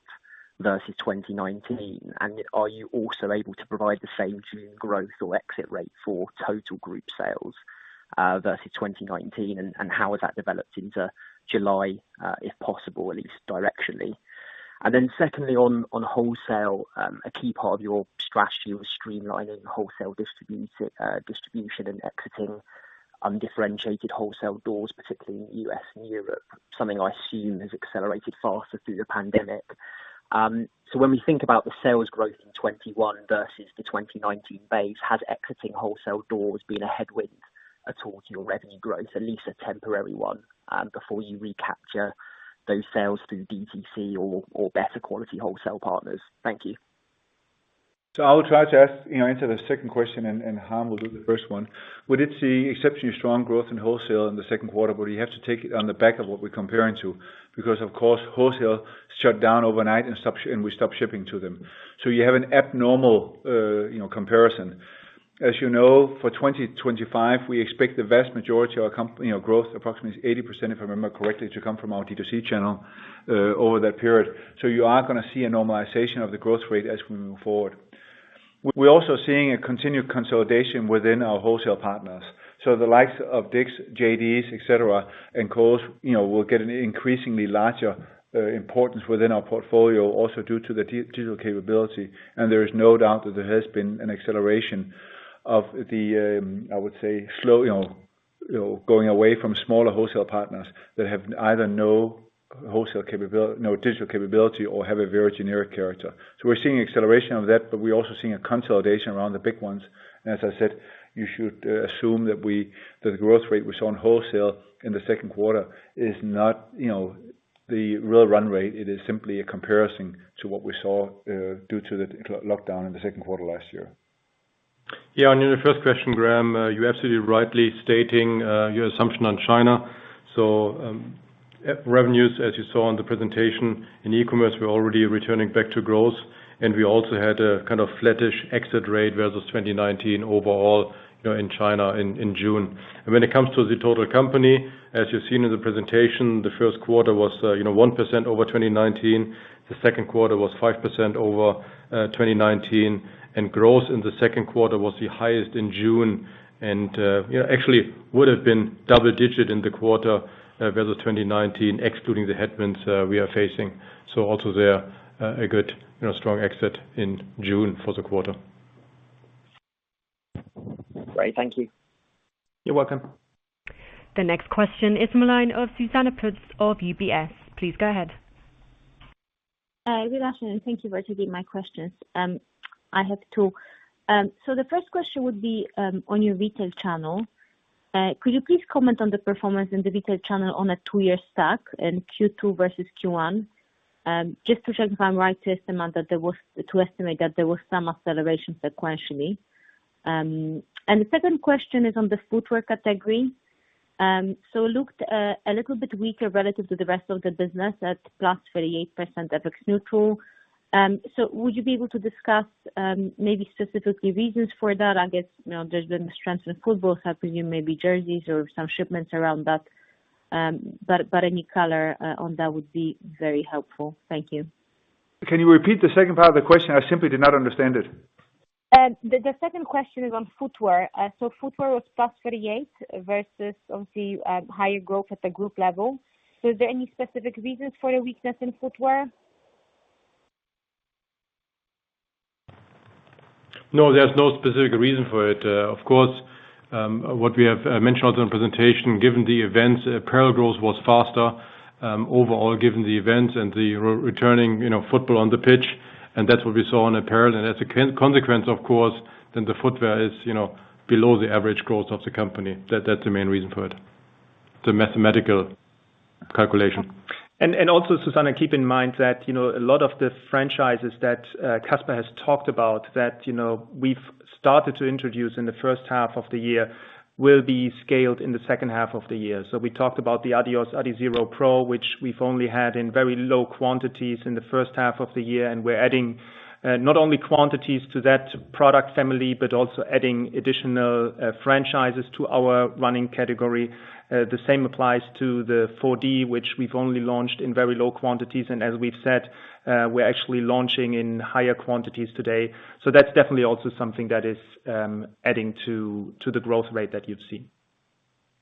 versus 2019? Are you also able to provide the same June growth or exit rate for total group sales, versus 2019, and how has that developed into July, if possible, at least directionally? Secondly, on wholesale, a key part of your strategy was streamlining wholesale distribution and exiting undifferentiated wholesale doors, particularly in the U.S. and Europe, something I assume has accelerated faster through the pandemic. When we think about the sales growth in 2021 versus the 2019 base, has exiting wholesale doors been a headwind towards your revenue growth, at least a temporary one, before you recapture those sales through D2C or better quality wholesale partners? Thank you. I will try to answer the second question, and Harm will do the first one. We did see exceptionally strong growth in wholesale in the second quarter, but you have to take it on the back of what we're comparing to, because of course, wholesale shut down overnight and we stopped shipping to them. You have an abnormal comparison. As you know, for 2025, we expect the vast majority of our growth, approximately 80%, if I remember correctly, to come from our D2C channel over that period. You are going to see a normalization of the growth rate as we move forward. We're also seeing a continued consolidation within our wholesale partners. The likes of Dick's, JD, et cetera, and Kohl's, will get an increasingly larger importance within our portfolio also due to the digital capability. There is no doubt that there has been an acceleration of the, I would say, going away from smaller wholesale partners that have either no digital capability or have a very generic character. We're seeing acceleration of that, but we're also seeing a consolidation around the big ones. As I said, you should assume that the growth rate we saw in wholesale in the second quarter is not the real run rate. It is simply a comparison to what we saw due to the lockdown in the second quarter last year. Yeah, in your first question, Graham, you're absolutely rightly stating your assumption on China. Revenues, as you saw in the presentation in e-commerce, we're already returning back to growth. We also had a kind of flattish exit rate versus 2019 overall in China in June. When it comes to the total company, as you've seen in the presentation, the first quarter was 1% over 2019. The second quarter was 5% over 2019, growth in the second quarter was the highest in June and actually would have been double digit in the quarter versus 2019, excluding the headwinds we are facing. Also there, a good, strong exit in June for the quarter. Great. Thank you. You're welcome. The next question is the line of Zuzanna Pusz of UBS. Please go ahead. Good afternoon. Thank you for taking my questions. I have two. The first question would be, on your retail channel, could you please comment on the performance in the retail channel on a two-year stack in Q2 versus Q1? Just to check if I'm right to estimate that there was some acceleration sequentially. The second question is on the footwear category. It looked a little bit weaker relative to the rest of the business at +38% FX neutral. Would you be able to discuss maybe specifically reasons for that? I guess, there's been strength in football happening, maybe jerseys or some shipments around that. Any color on that would be very helpful. Thank you. Can you repeat the second part of the question? I simply did not understand it. The second question is on footwear. Footwear was +38% versus obviously, higher growth at the group level. Is there any specific reasons for the weakness in footwear? No, there's no specific reason for it. What we have mentioned on the presentation, given the events, apparel growth was faster overall, given the events and the returning football on the pitch, and that's what we saw on apparel. As a consequence, of course, then the footwear is below the average growth of the company. That's the main reason for it, the mathematical calculation. Zuzanna, keep in mind that a lot of the franchises that Kasper has talked about that we've started to introduce in the first half of the year will be scaled in the second half of the year. We talked about the Adizero Adios Pro, which we've only had in very low quantities in the first half of the year, and we're adding, not only quantities to that product family, but also adding additional franchises to our running category. The same applies to the 4D, which we've only launched in very low quantities, and as we've said, we're actually launching in higher quantities today. That's definitely also something that is adding to the growth rate that you've seen.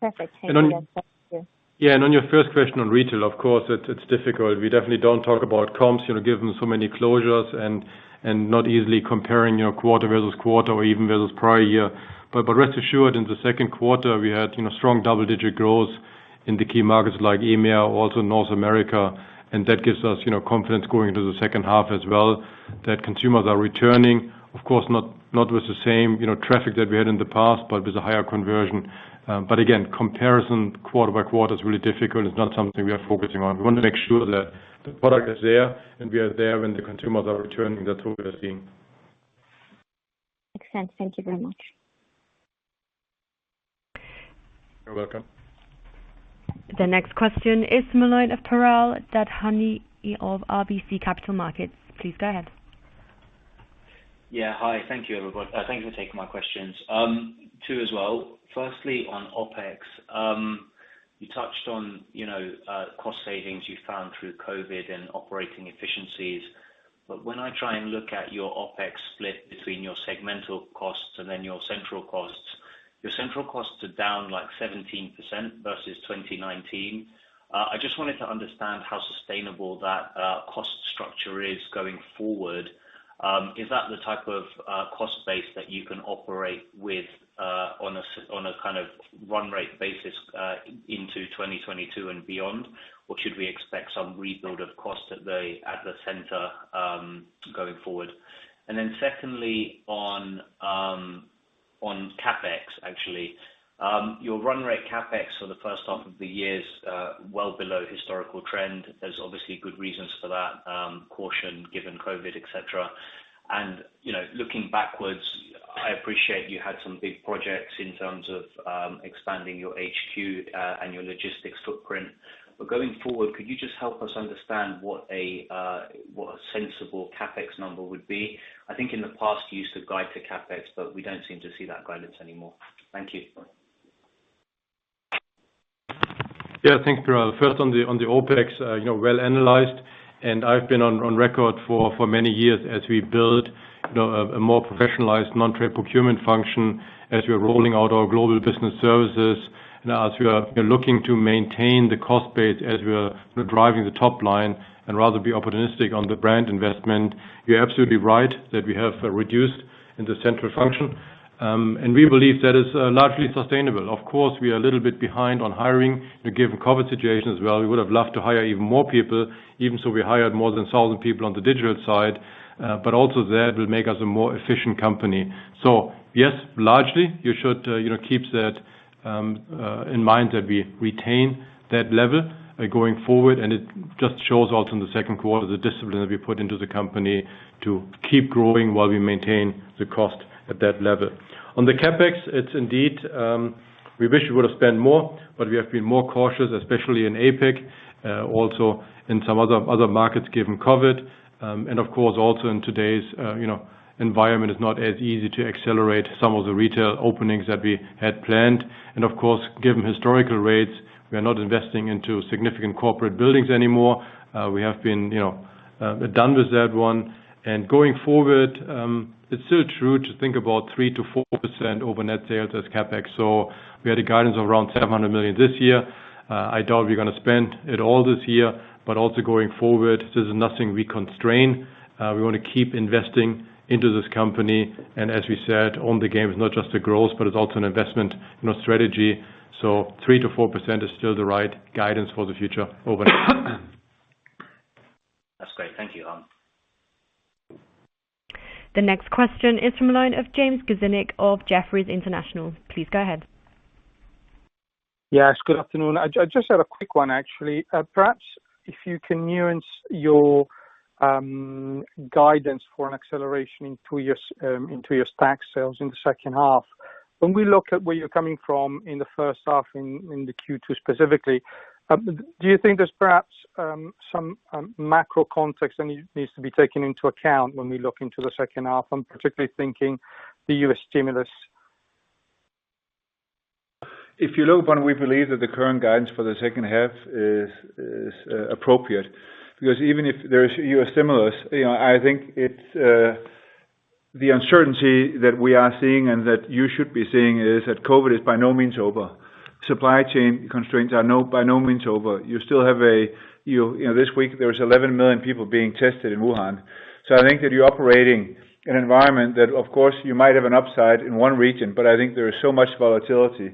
Perfect. Thank you. Yeah. On your first question on retail, of course, it's difficult. We definitely don't talk about comps, given so many closures and not easily comparing quarter versus quarter or even versus prior year. Rest assured, in the second quarter, we had strong double-digit growth in the key markets like EMEA, also North America, and that gives us confidence going into the second half as well that consumers are returning. Of course, not with the same traffic that we had in the past, but with a higher conversion. Again, comparison quarter by quarter is really difficult. It's not something we are focusing on. We want to make sure that the product is there and we are there when the consumers are returning. That's all we are seeing. Makes sense. Thank you very much. You're welcome. The next question is the line of Piral Dadhania of RBC Capital Markets. Please go ahead. Yeah. Hi. Thank you, everybody. Thank you for taking my questions. Two as well. Firstly, on OpEx, you touched on cost savings you found through COVID and operating efficiencies. When I try and look at your OpEx split between your segmental costs and then your central costs, your central costs are down 17% versus 2019. I just wanted to understand how sustainable that cost structure is going forward. Is that the type of cost base that you can operate with on a kind of run rate basis into 2022 and beyond? Or should we expect some rebuild of cost at the center, going forward? Secondly, on CapEx, actually. Your run rate CapEx for the first half of the year is well below historical trend. There's obviously good reasons for that, caution given COVID, et cetera. Looking backwards, I appreciate you had some big projects in terms of expanding your HQ and your logistics footprint. Going forward, could you just help us understand what a sensible CapEx number would be? I think in the past, you used to guide to CapEx, but we don't seem to see that guidance anymore. Thank you. Yeah, thanks, Piral. First, on the OpEx, well analyzed. I've been on record for many years as we build a more professionalized non-trade procurement function, as we are rolling out our global business services, and as we are looking to maintain the cost base, as we are driving the top line and rather be opportunistic on the brand investment. You're absolutely right that we have reduced in the central function, and we believe that is largely sustainable. Of course, we are a little bit behind on hiring given COVID situation as well. We would have loved to hire even more people. Even so, we hired more than 1,000 people on the digital side. Also that will make us a more efficient company. Yes, largely, you should keep that in mind that we retain that level going forward, and it just shows also in the second quarter, the discipline that we put into the company to keep growing while we maintain the cost at that level. On the CapEx, it's indeed, we wish we would've spent more, but we have been more cautious, especially in APAC, also in some other markets, given COVID. Of course, also in today's environment, it's not as easy to accelerate some of the retail openings that we had planned. Of course, given historical rates, we are not investing into significant corporate buildings anymore. We're done with that one. Going forward, it's still true to think about 3%-4% over net sales as CapEx. We had a guidance of around 700 million this year. I doubt we are going to spend it all this year. Also going forward, this is nothing we constrain. We want to keep investing into this company, as we said, Own the Game is not just a growth, but it is also an investment strategy. 3%-4% is still the right guidance for the future over that. That's great. Thank you, Harm. The next question is from the line of James Grzinic of Jefferies International. Please go ahead. Yes, good afternoon. I just had a quick one, actually. Perhaps if you can nuance your guidance for an acceleration into your stack sales in the second half. When we look at where you're coming from in the first half, in the Q2 specifically, do you think there's perhaps some macro context that needs to be taken into account when we look into the second half? I'm particularly thinking the U.S. stimulus. If you look upon, we believe that the current guidance for the second half is appropriate, because even if there is U.S. stimulus, I think the uncertainty that we are seeing and that you should be seeing is that COVID is by no means over. Supply chain constraints are by no means over. This week, there was 11 million people being tested in Wuhan. I think that you're operating in an environment that, of course, you might have an upside in one region, but I think there is so much volatility.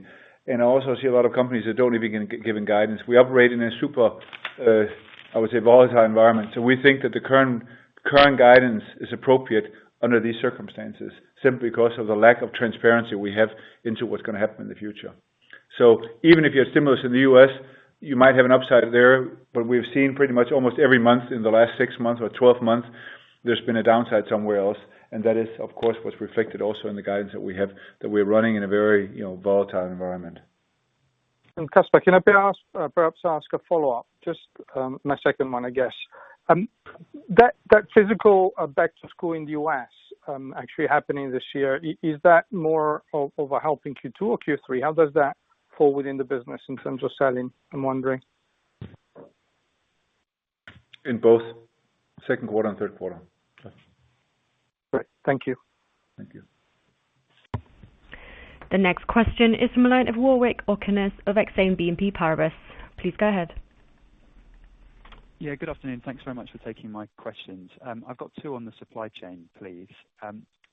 I also see a lot of companies that don't even giving guidance. We operate in a super, I would say, volatile environment. We think that the current guidance is appropriate under these circumstances, simply because of the lack of transparency we have into what's going to happen in the future. Even if you have stimulus in the U.S., you might have an upside there, but we've seen pretty much almost every month in the last six months or 12 months, there's been a downside somewhere else, and that is, of course, what's reflected also in the guidance that we have, that we're running in a very volatile environment. Kasper, can I perhaps ask a follow-up? Just my second one, I guess. That physical back to school in the U.S. actually happening this year. Is that more of a help in Q2 or Q3? How does that fall within the business in terms of selling, I'm wondering? In both Q2 and Q3. Great. Thank you. Thank you. The next question is from the line of Warwick Okines of Exane BNP Paribas. Please go ahead. Yeah, good afternoon. Thanks very much for taking my questions. I've got two on the supply chain, please.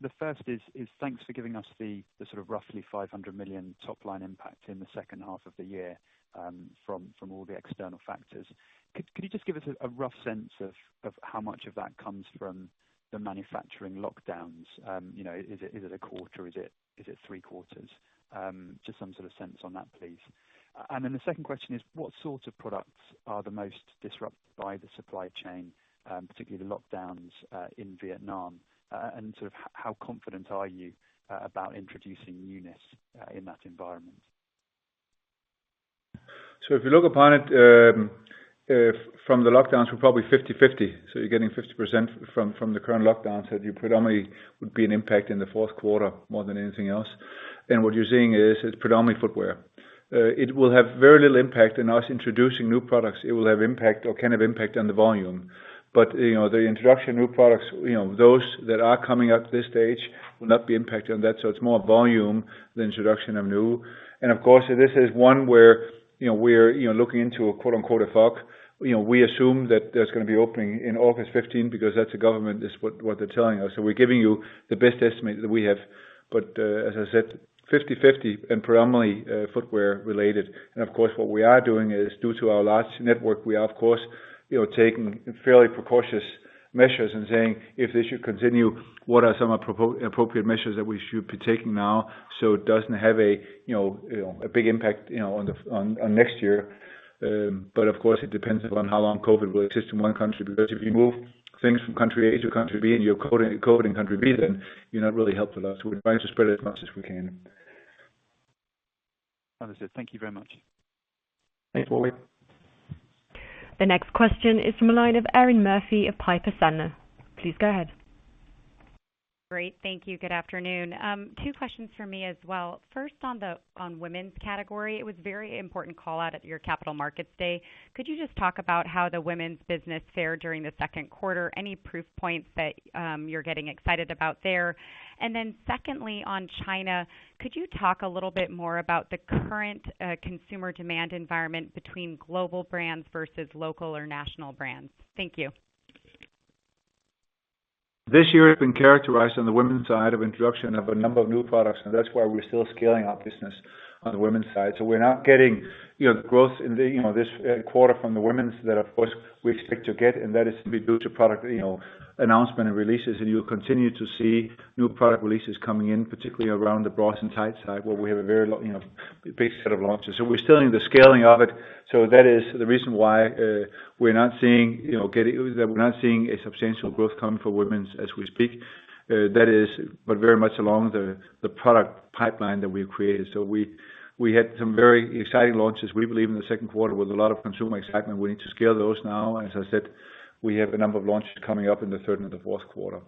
The first is thanks for giving us the sort of roughly 500 million top line impact in the second half of the year from all the external factors. Could you just give us a rough sense of how much of that comes from the manufacturing lockdowns? Is it a quarter? Is it three quarters? Just some sort of sense on that, please. The second question is what sorts of products are the most disrupted by the supply chain, particularly lockdowns in Vietnam? Sort of how confident are you about introducing newness in that environment? If you look upon it, from the lockdowns, we're probably 50/50. You're getting 50% from the current lockdowns that you predominantly would be an impact in the fourth quarter more than anything else. What you're seeing is predominantly footwear. It will have very little impact in us introducing new products. It will have impact or can have impact on the volume. The introduction of new products, those that are coming up to this stage will not be impacted on that. It's more volume, the introduction of new. Of course, this is one where we're looking into a "fog". We assume that there's going to be opening in August 15 because that's the government, that's what they're telling us. We're giving you the best estimate that we have. As I said, 50/50 and predominantly footwear related. Of course, what we are doing is due to our large network, we are of course, taking fairly precautious measures and saying, if this should continue, what are some appropriate measures that we should be taking now so it doesn't have a big impact on next year? Of course, it depends upon how long COVID will exist in one country, because if you move things from country A to country B, and you have COVID in country B, then it really helps a lot. We're trying to spread it as much as we can. Understood. Thank you very much. Thanks, Warwick. The next question is from the line of Erinn Murphy of Piper Sandler. Please go ahead. Great. Thank you. Good afternoon. Two questions for me as well. First, on women's category, it was very important call out at your Capital Markets Day. Could you just talk about how the women's business fared during the second quarter? Any proof points that you're getting excited about there? Secondly, on China, could you talk a little bit more about the current consumer demand environment between global brands versus local or national brands? Thank you. This year has been characterized on the women's side of introduction of a number of new products, and that's why we're still scaling up business on the women's side. We're not getting growth in this quarter from the women's that, of course, we expect to get, and that is going to be due to product announcement and releases, and you'll continue to see new product releases coming in, particularly around the bras and tight side, where we have a very big set of launches. We're still in the scaling of it. That is the reason why we're not seeing a substantial growth coming for women's as we speak. That is but very much along the product pipeline that we've created. We had some very exciting launches, we believe, in the second quarter with a lot of consumer excitement. We need to scale those now. As I said, we have a number of launches coming up in the third and the fourth quarter.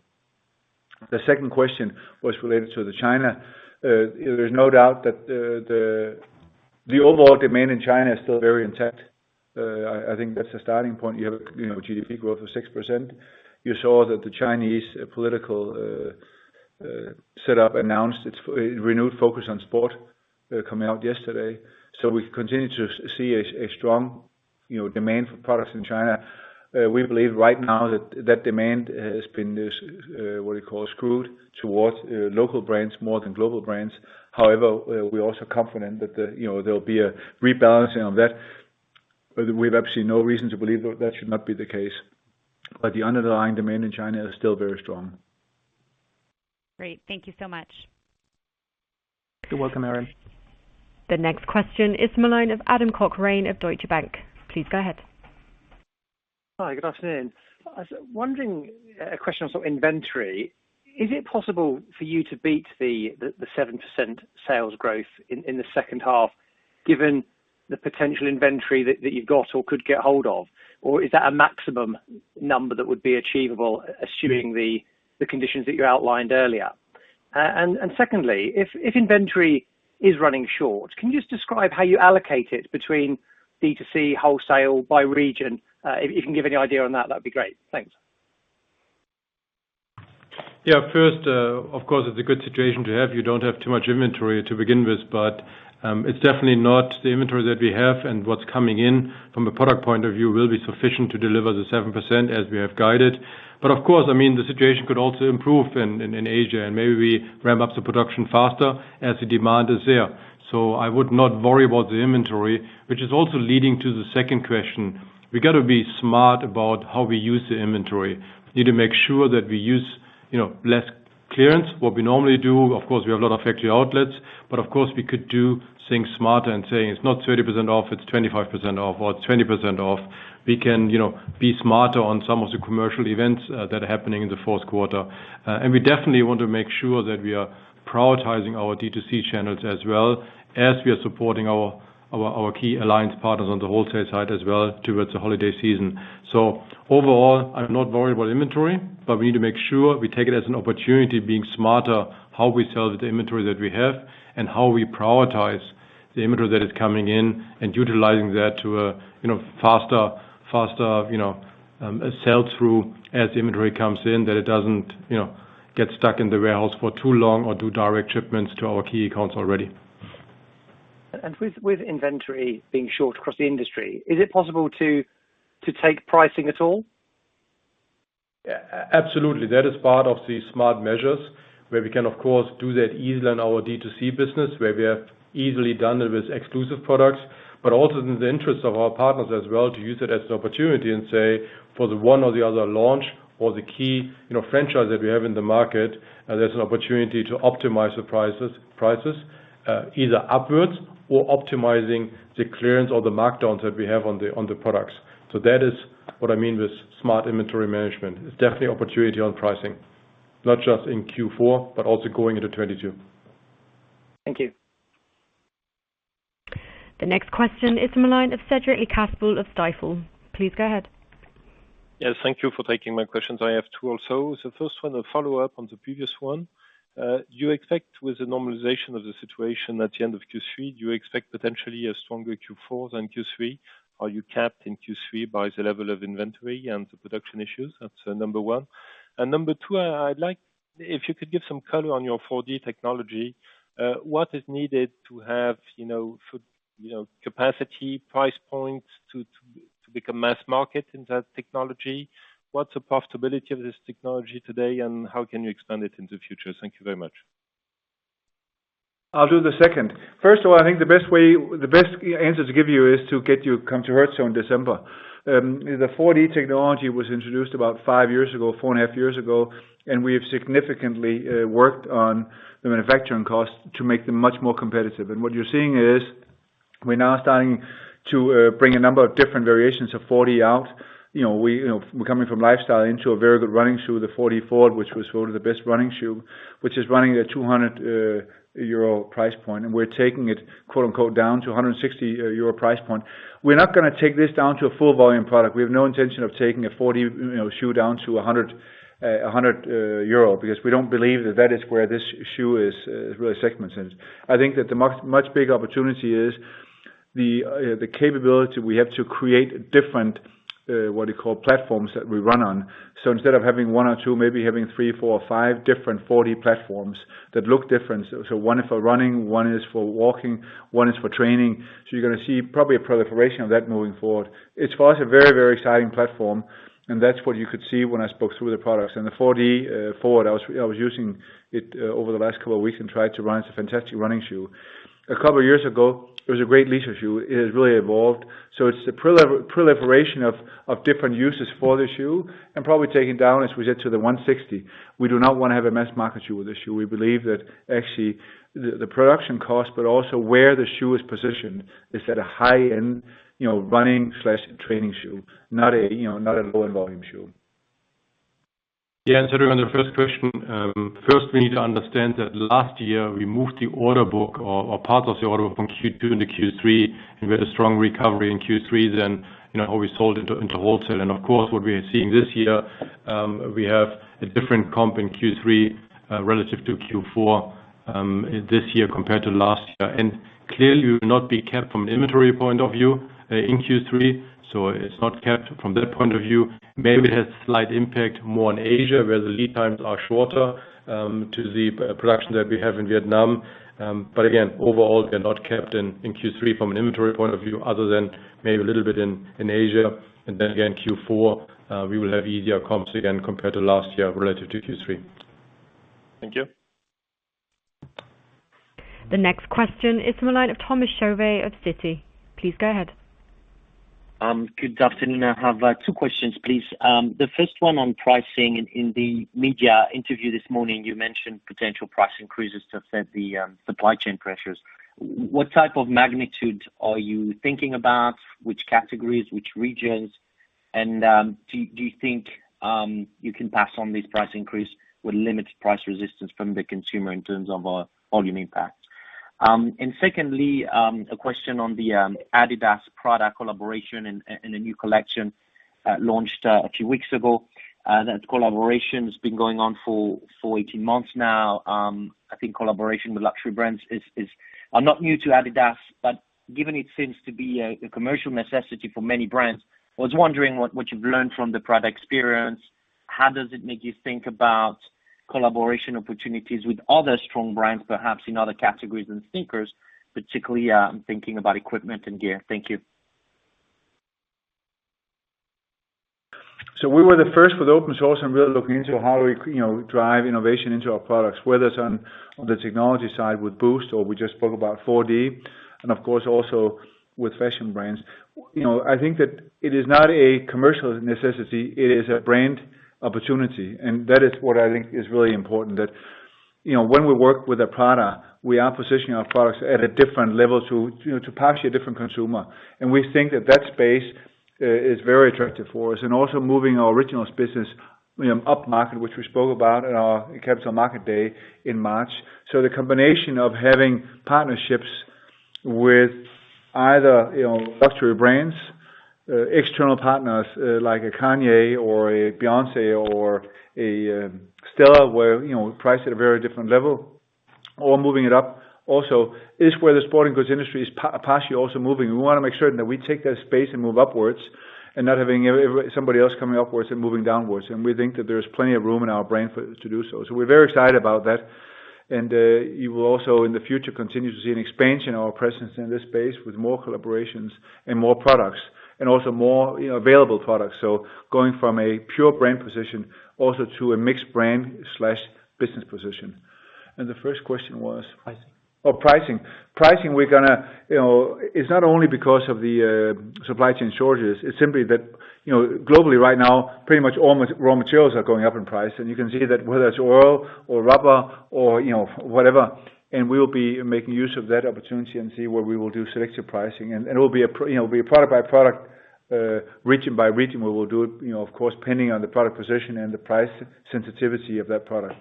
The second question was related to China. There's no doubt that the overall demand in China is still very intact. I think that's the starting point. You have GDP growth of 6%. You saw that the Chinese political setup announced its renewed focus on sport coming out yesterday. We continue to see a strong demand for products in China. We believe right now that demand has been, what you call, skewed towards local brands more than global brands. However, we're also confident that there'll be a rebalancing of that. We have absolutely no reason to believe that should not be the case. The underlying demand in China is still very strong. Great. Thank you so much. You're welcome, Erinn. The next question is the line of Adam Cochrane of Deutsche Bank. Please go ahead. Hi, good afternoon. I was wondering, a question on sort of inventory. Is it possible for you to beat the 7% sales growth in the second half given the potential inventory that you've got or could get hold of? Or is that a maximum number that would be achievable assuming the conditions that you outlined earlier? Secondly, if inventory is running short, can you just describe how you allocate it between D2C wholesale by region? If you can give any idea on that'd be great. Thanks. Yeah. First, of course, it's a good situation to have. You don't have too much inventory to begin with, but it's definitely not the inventory that we have, and what's coming in from a product point of view will be sufficient to deliver the 7% as we have guided. Of course, the situation could also improve in Asia, and maybe we ramp up the production faster as the demand is there. I would not worry about the inventory, which is also leading to the second question. We got to be smart about how we use the inventory. We need to make sure that we use less clearance. What we normally do, of course, we have a lot of factory outlets, of course, we could do things smarter and say, "It's not 30% off, it's 25% off or 20% off." We can be smarter on some of the commercial events that are happening in the fourth quarter. We definitely want to make sure that we are prioritizing our D2C channels as well as we are supporting our key alliance partners on the wholesale side as well towards the holiday season. Overall, I'm not worried about inventory, but we need to make sure we take it as an opportunity being smarter how we sell the inventory that we have and how we prioritize the inventory that is coming in and utilizing that to a faster sell-through as the inventory comes in, that it doesn't get stuck in the warehouse for too long or do direct shipments to our key accounts already. With inventory being short across the industry, is it possible to take pricing at all? Absolutely. That is part of the smart measures where we can, of course, do that easily in our D2C business, where we have easily done it with exclusive products, but also in the interest of our partners as well to use it as an opportunity and say, for the one or the other launch or the key franchise that we have in the market, there is an opportunity to optimize the prices either upwards or optimizing the clearance or the markdowns that we have on the products. That is what I mean with smart inventory management. It is definitely opportunity on pricing, not just in Q4, but also going into 2022. Thank you. The next question is the line of Cedric Lecasble of Stifel. Please go ahead. Yes, thank you for taking my questions. I have two also. The first one, a follow-up on the previous one. With the normalization of the situation at the end of Q3, do you expect potentially a stronger Q4 than Q3? Are you capped in Q3 by the level of inventory and the production issues? That's number one. Number two, I'd like if you could give some color on your 4D technology, what is needed to have capacity, price points to become mass market in that technology? What's the possibility of this technology today, and how can you expand it in the future? Thank you very much. I'll do the second. First of all, I think the best answer to give you is to get you come to Herzo in December. The 4D technology was introduced about five years ago, four and a half years ago. We have significantly worked on the manufacturing cost to make them much more competitive. What you're seeing is we're now starting to bring a number of different variations of 4D out. We're coming from lifestyle into a very good running shoe, the 4DFWD, which was voted the best running shoe, which is running at a 200 euro price point. We're taking it "down" to 160 euro price point. We're not going to take this down to a full volume product. We have no intention of taking a 4D shoe down to 100 euro because we don't believe that that is where this shoe is really segment. I think that the much bigger opportunity is the capability we have to create different, what you call, platforms that we run on. Instead of having one or two, maybe having three, four, or five different 4D platforms that look different. One is for running, one is for walking, one is for training. You're going to see probably a proliferation of that moving forward. It's for us a very exciting platform, and that's what you could see when I spoke through the products. The 4DFWD, I was using it over the last two weeks and tried to run. It's a fantastic running shoe. A couple years ago, it was a great leisure shoe. It has really evolved. It's the proliferation of different uses for the shoe, and probably taking down, as we said, to the 160. We do not want to have a mass market shoe with this shoe. We believe that actually the production cost, but also where the shoe is positioned is at a high-end running/training shoe, not a low-end volume shoe. Yeah. On the first question, first we need to understand that last year we moved the order book, or part of the order book, from Q2 into Q3, and we had a strong recovery in Q3 then. Always sold into wholesale. Of course, what we are seeing this year, we have a different comp in Q3 relative to Q4, this year compared to last year. Clearly, we will not be capped from an inventory point of view in Q3, so it is not capped from that point of view. Maybe it has slight impact more in Asia, where the lead times are shorter to the production that we have in Vietnam. Again, overall, we are not capped in Q3 from an inventory point of view, other than maybe a little bit in Asia. Again, Q4, we will have easier comps again, compared to last year relative to Q3. Thank you. The next question is from the line of Thomas Chauvet of Citi. Please go ahead. Good afternoon. I have two questions, please. The first one on pricing. In the media interview this morning, you mentioned potential price increases to offset the supply chain pressures. What type of magnitude are you thinking about? Which categories, which regions? Do you think you can pass on this price increase with limited price resistance from the consumer in terms of volume impact? Secondly, a question on the adidas Prada collaboration and the new collection launched a few weeks ago. That collaboration has been going on for 18 months now. I think collaboration with luxury brands is, I am not new to adidas, but given it seems to be a commercial necessity for many brands, I was wondering what you've learned from the Prada experience. How does it make you think about collaboration opportunities with other strong brands, perhaps in other categories than sneakers? Particularly, I'm thinking about equipment and gear. Thank you. We were the first with open source and really looking into how do we drive innovation into our products, whether it's on the technology side with Boost or we just spoke about 4D, and of course also with fashion brands. I think that it is not a commercial necessity, it is a brand opportunity, and that is what I think is really important. That when we work with a Prada, we are positioning our products at a different level to partially a different consumer. We think that that space is very attractive for us. Also moving our Originals business upmarket, which we spoke about in our Capital Market Day in March. The combination of having partnerships with either luxury brands, external partners like a Kanye or a Beyoncé or a Stella, where we price at a very different level or moving it up also, is where the sporting goods industry is partially also moving. We want to make sure that we take that space and move upwards and not having somebody else coming upwards and moving downwards. We think that there is plenty of room in our brand to do so. We're very excited about that. You will also, in the future, continue to see an expansion of our presence in this space with more collaborations and more products, and also more available products. Going from a pure brand position also to a mixed brand/business position. The first question was? Pricing. Pricing. Pricing, it's not only because of the supply chain shortages, it's simply that globally right now, pretty much all raw materials are going up in price, and you can see that whether it's oil or rubber or whatever. We'll be making use of that opportunity and see where we will do selective pricing. It will be a product by product, region by region, where we'll do it, of course, depending on the product position and the price sensitivity of that product.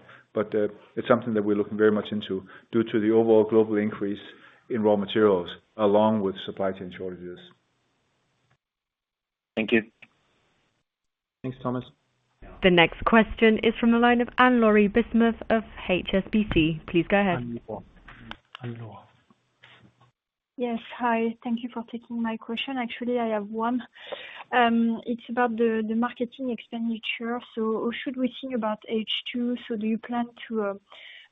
It's something that we're looking very much into due to the overall global increase in raw materials along with supply chain shortages. Thank you. Thanks, Thomas. The next question is from the line of Anne-Laure Bismuth of HSBC. Please go ahead. Anne-Laure. Yes. Hi, thank you for taking my question. Actually, I have one. It's about the marketing expenditure. Should we think about H2? Do you plan to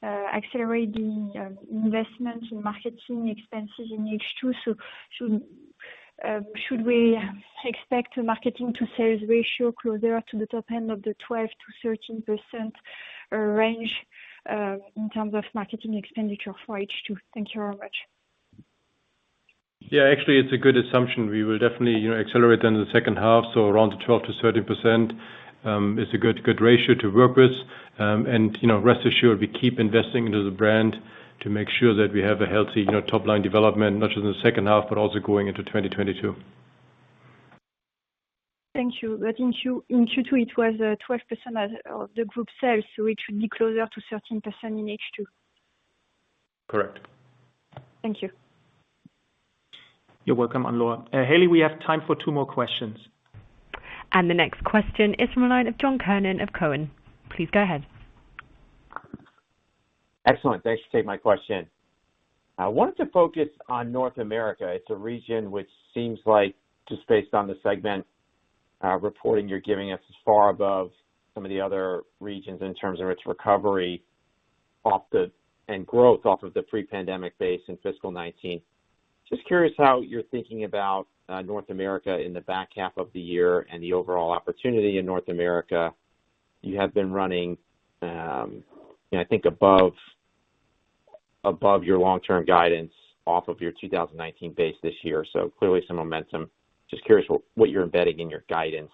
accelerate the investment in marketing expenses in H2? Should we expect the marketing to sales ratio closer to the top end of the 12%-13% range in terms of marketing expenditure for H2? Thank you very much. Yeah. Actually, it's a good assumption. We will definitely accelerate in the second half. Around the 12%-30% is a good ratio to work with. Rest assured, we keep investing into the brand to make sure that we have a healthy top-line development, not just in the second half, but also going into 2022. Thank you. In Q2 it was 12% of the group sales, so it should be closer to 13% in H2. Correct. Thank you. You're welcome, Anne-Laure. Kelly, we have time for two more questions. The next question is from the line of John Kernan of Cowen. Please go ahead. Excellent. Thanks for taking my question. I wanted to focus on North America. It's a region which seems like, just based on the segment reporting you're giving us, is far above some of the other regions in terms of its recovery and growth off of the pre-pandemic base in fiscal 2019. Just curious how you're thinking about North America in the back half of the year and the overall opportunity in North America. You have been running, I think above your long-term guidance off of your 2019 base this year. Clearly some momentum. Just curious what you're embedding in your guidance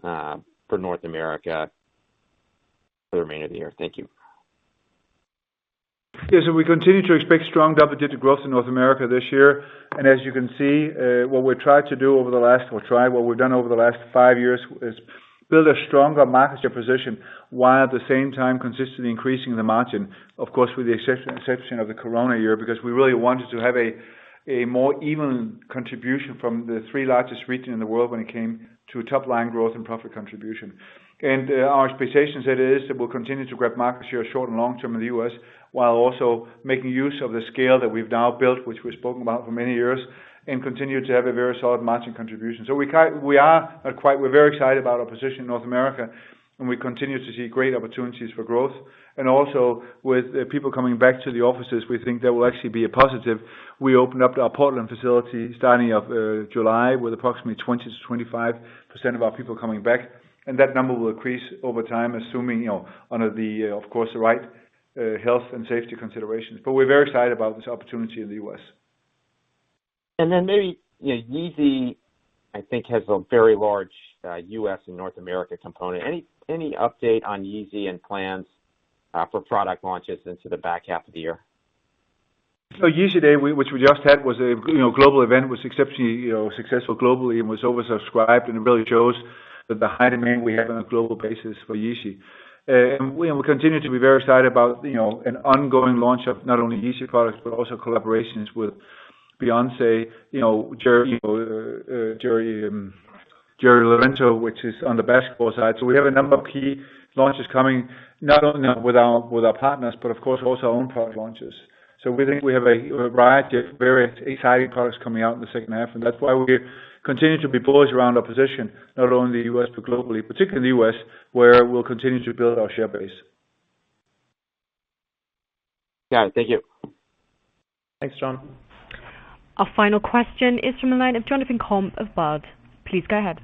for North America for the remainder of the year. Thank you. Yes. We continue to expect strong double-digit growth in North America this year. As you can see, what we've done over the last five years is build a stronger market share position, while at the same time consistently increasing the margin. Of course, with the exception of the Corona year, because we really wanted to have a more even contribution from the three largest regions in the world when it came to top line growth and profit contribution. Our expectations are that we'll continue to grab market share short and long term in the U.S., while also making use of the scale that we've now built, which we've spoken about for many years, and continue to have a very solid margin contribution. We're very excited about our position in North America, and we continue to see great opportunities for growth. Also, with people coming back to the offices, we think that will actually be a positive. We opened up our Portland facility starting of July, with approximately 20%-25% of our people coming back, that number will increase over time assuming under the, of course, right health and safety considerations. We're very excited about this opportunity in the U.S. Maybe Yeezy, I think, has a very large U.S. and North America component. Any update on Yeezy and plans for product launches into the back half of the year? Yeezy Day, which we just had, was a global event, was exceptionally successful globally and was oversubscribed, and it really shows the high demand we have on a global basis for Yeezy. We continue to be very excited about an ongoing launch of not only Yeezy products, but also collaborations with Beyoncé, Jerry Lorenzo, which is on the basketball side. We have a number of key launches coming, not only with our partners, but of course, also our own product launches. We think we have a variety of very exciting products coming out in the second half, and that's why we continue to be bullish around our position, not only in the U.S., but globally. Particularly in the U.S., where we'll continue to build our share base. Got it. Thank you. Thanks, John. Our final question is from the line of Jonathan Komp of Baird. Please go ahead.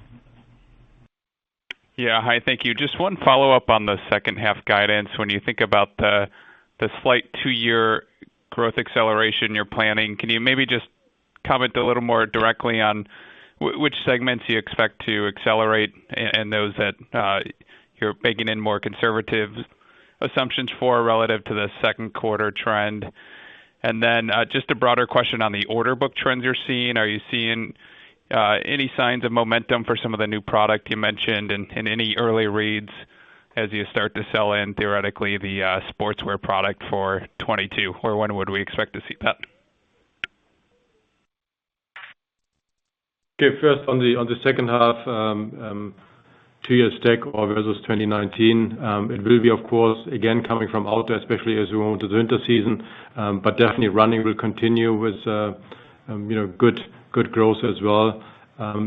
Yeah. Hi, thank you. Just one follow-up on the second half guidance. When you think about the slight two-year growth acceleration you're planning, can you maybe just comment a little more directly on which segments you expect to accelerate and those that you're baking in more conservative assumptions for, relative to the second quarter trend? Then, just a broader question on the order book trends you're seeing. Are you seeing any signs of momentum for some of the new product you mentioned and any early reads as you start to sell in, theoretically, the sportswear product for 2022? Or when would we expect to see that? Okay. First, on the second half, two years stack versus 2019. It will be, of course, again, coming from outdoor, especially as we go into the winter season. Definitely running will continue with good growth as well.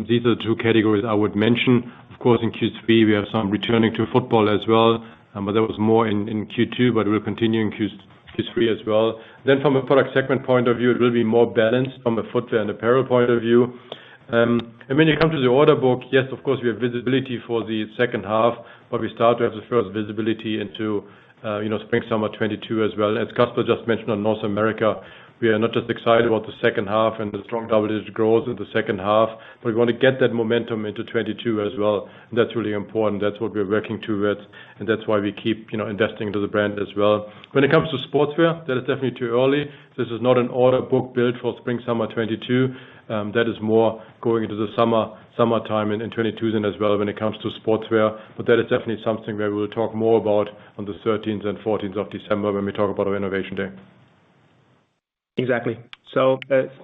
These are the two categories I would mention. Of course, in Q3, we have some returning to football as well. That was more in Q2, but it will continue in Q3 as well. From a product segment point of view, it will be more balanced from a footwear and apparel point of view. When you come to the order book, yes, of course, we have visibility for the second half, but we start to have the first visibility into spring/summer 2022 as well. As Kasper just mentioned on North America, we are not just excited about the second half and the strong double-digit growth in the second half, but we want to get that momentum into 2022 as well. That's really important. That's what we're working towards, and that's why we keep investing into the brand as well. When it comes to sportswear, that is definitely too early. This is not an order book build for spring/summer 2022. That is more going into the summertime in 2022 then as well when it comes to sportswear. That is definitely something that we'll talk more about on the 13th and 14th of December when we talk about our Innovation Day. Exactly.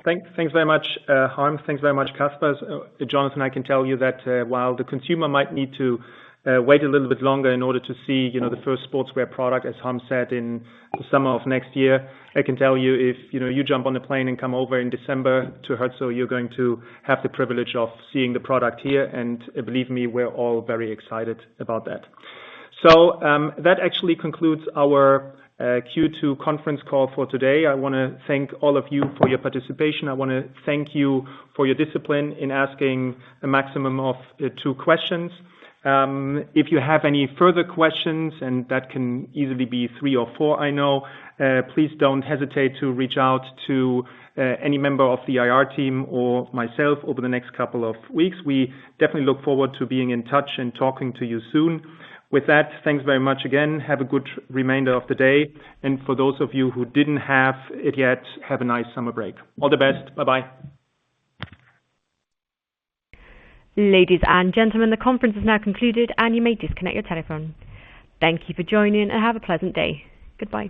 Thanks very much, Harm. Thanks very much, Kasper. Jonathan, I can tell you that while the consumer might need to wait a little bit longer in order to see the first sportswear product, as Harm said, in the summer of next year, I can tell you if you jump on a plane and come over in December to Herzo, you're going to have the privilege of seeing the product here. Believe me, we're all very excited about that. That actually concludes our Q2 conference call for today. I want to thank all of you for your participation. I want to thank you for your discipline in asking a maximum of two questions. If you have any further questions, and that can easily be three or four, I know, please don't hesitate to reach out to any member of the IR team or myself over the next couple of weeks. We definitely look forward to being in touch and talking to you soon. With that, thanks very much again. Have a good remainder of the day. For those of you who didn't have it yet, have a nice summer break. All the best. Bye-bye. Ladies and gentlemen, the conference is now concluded and you may disconnect your telephone. Thank you for joining and have a pleasant day. Goodbye.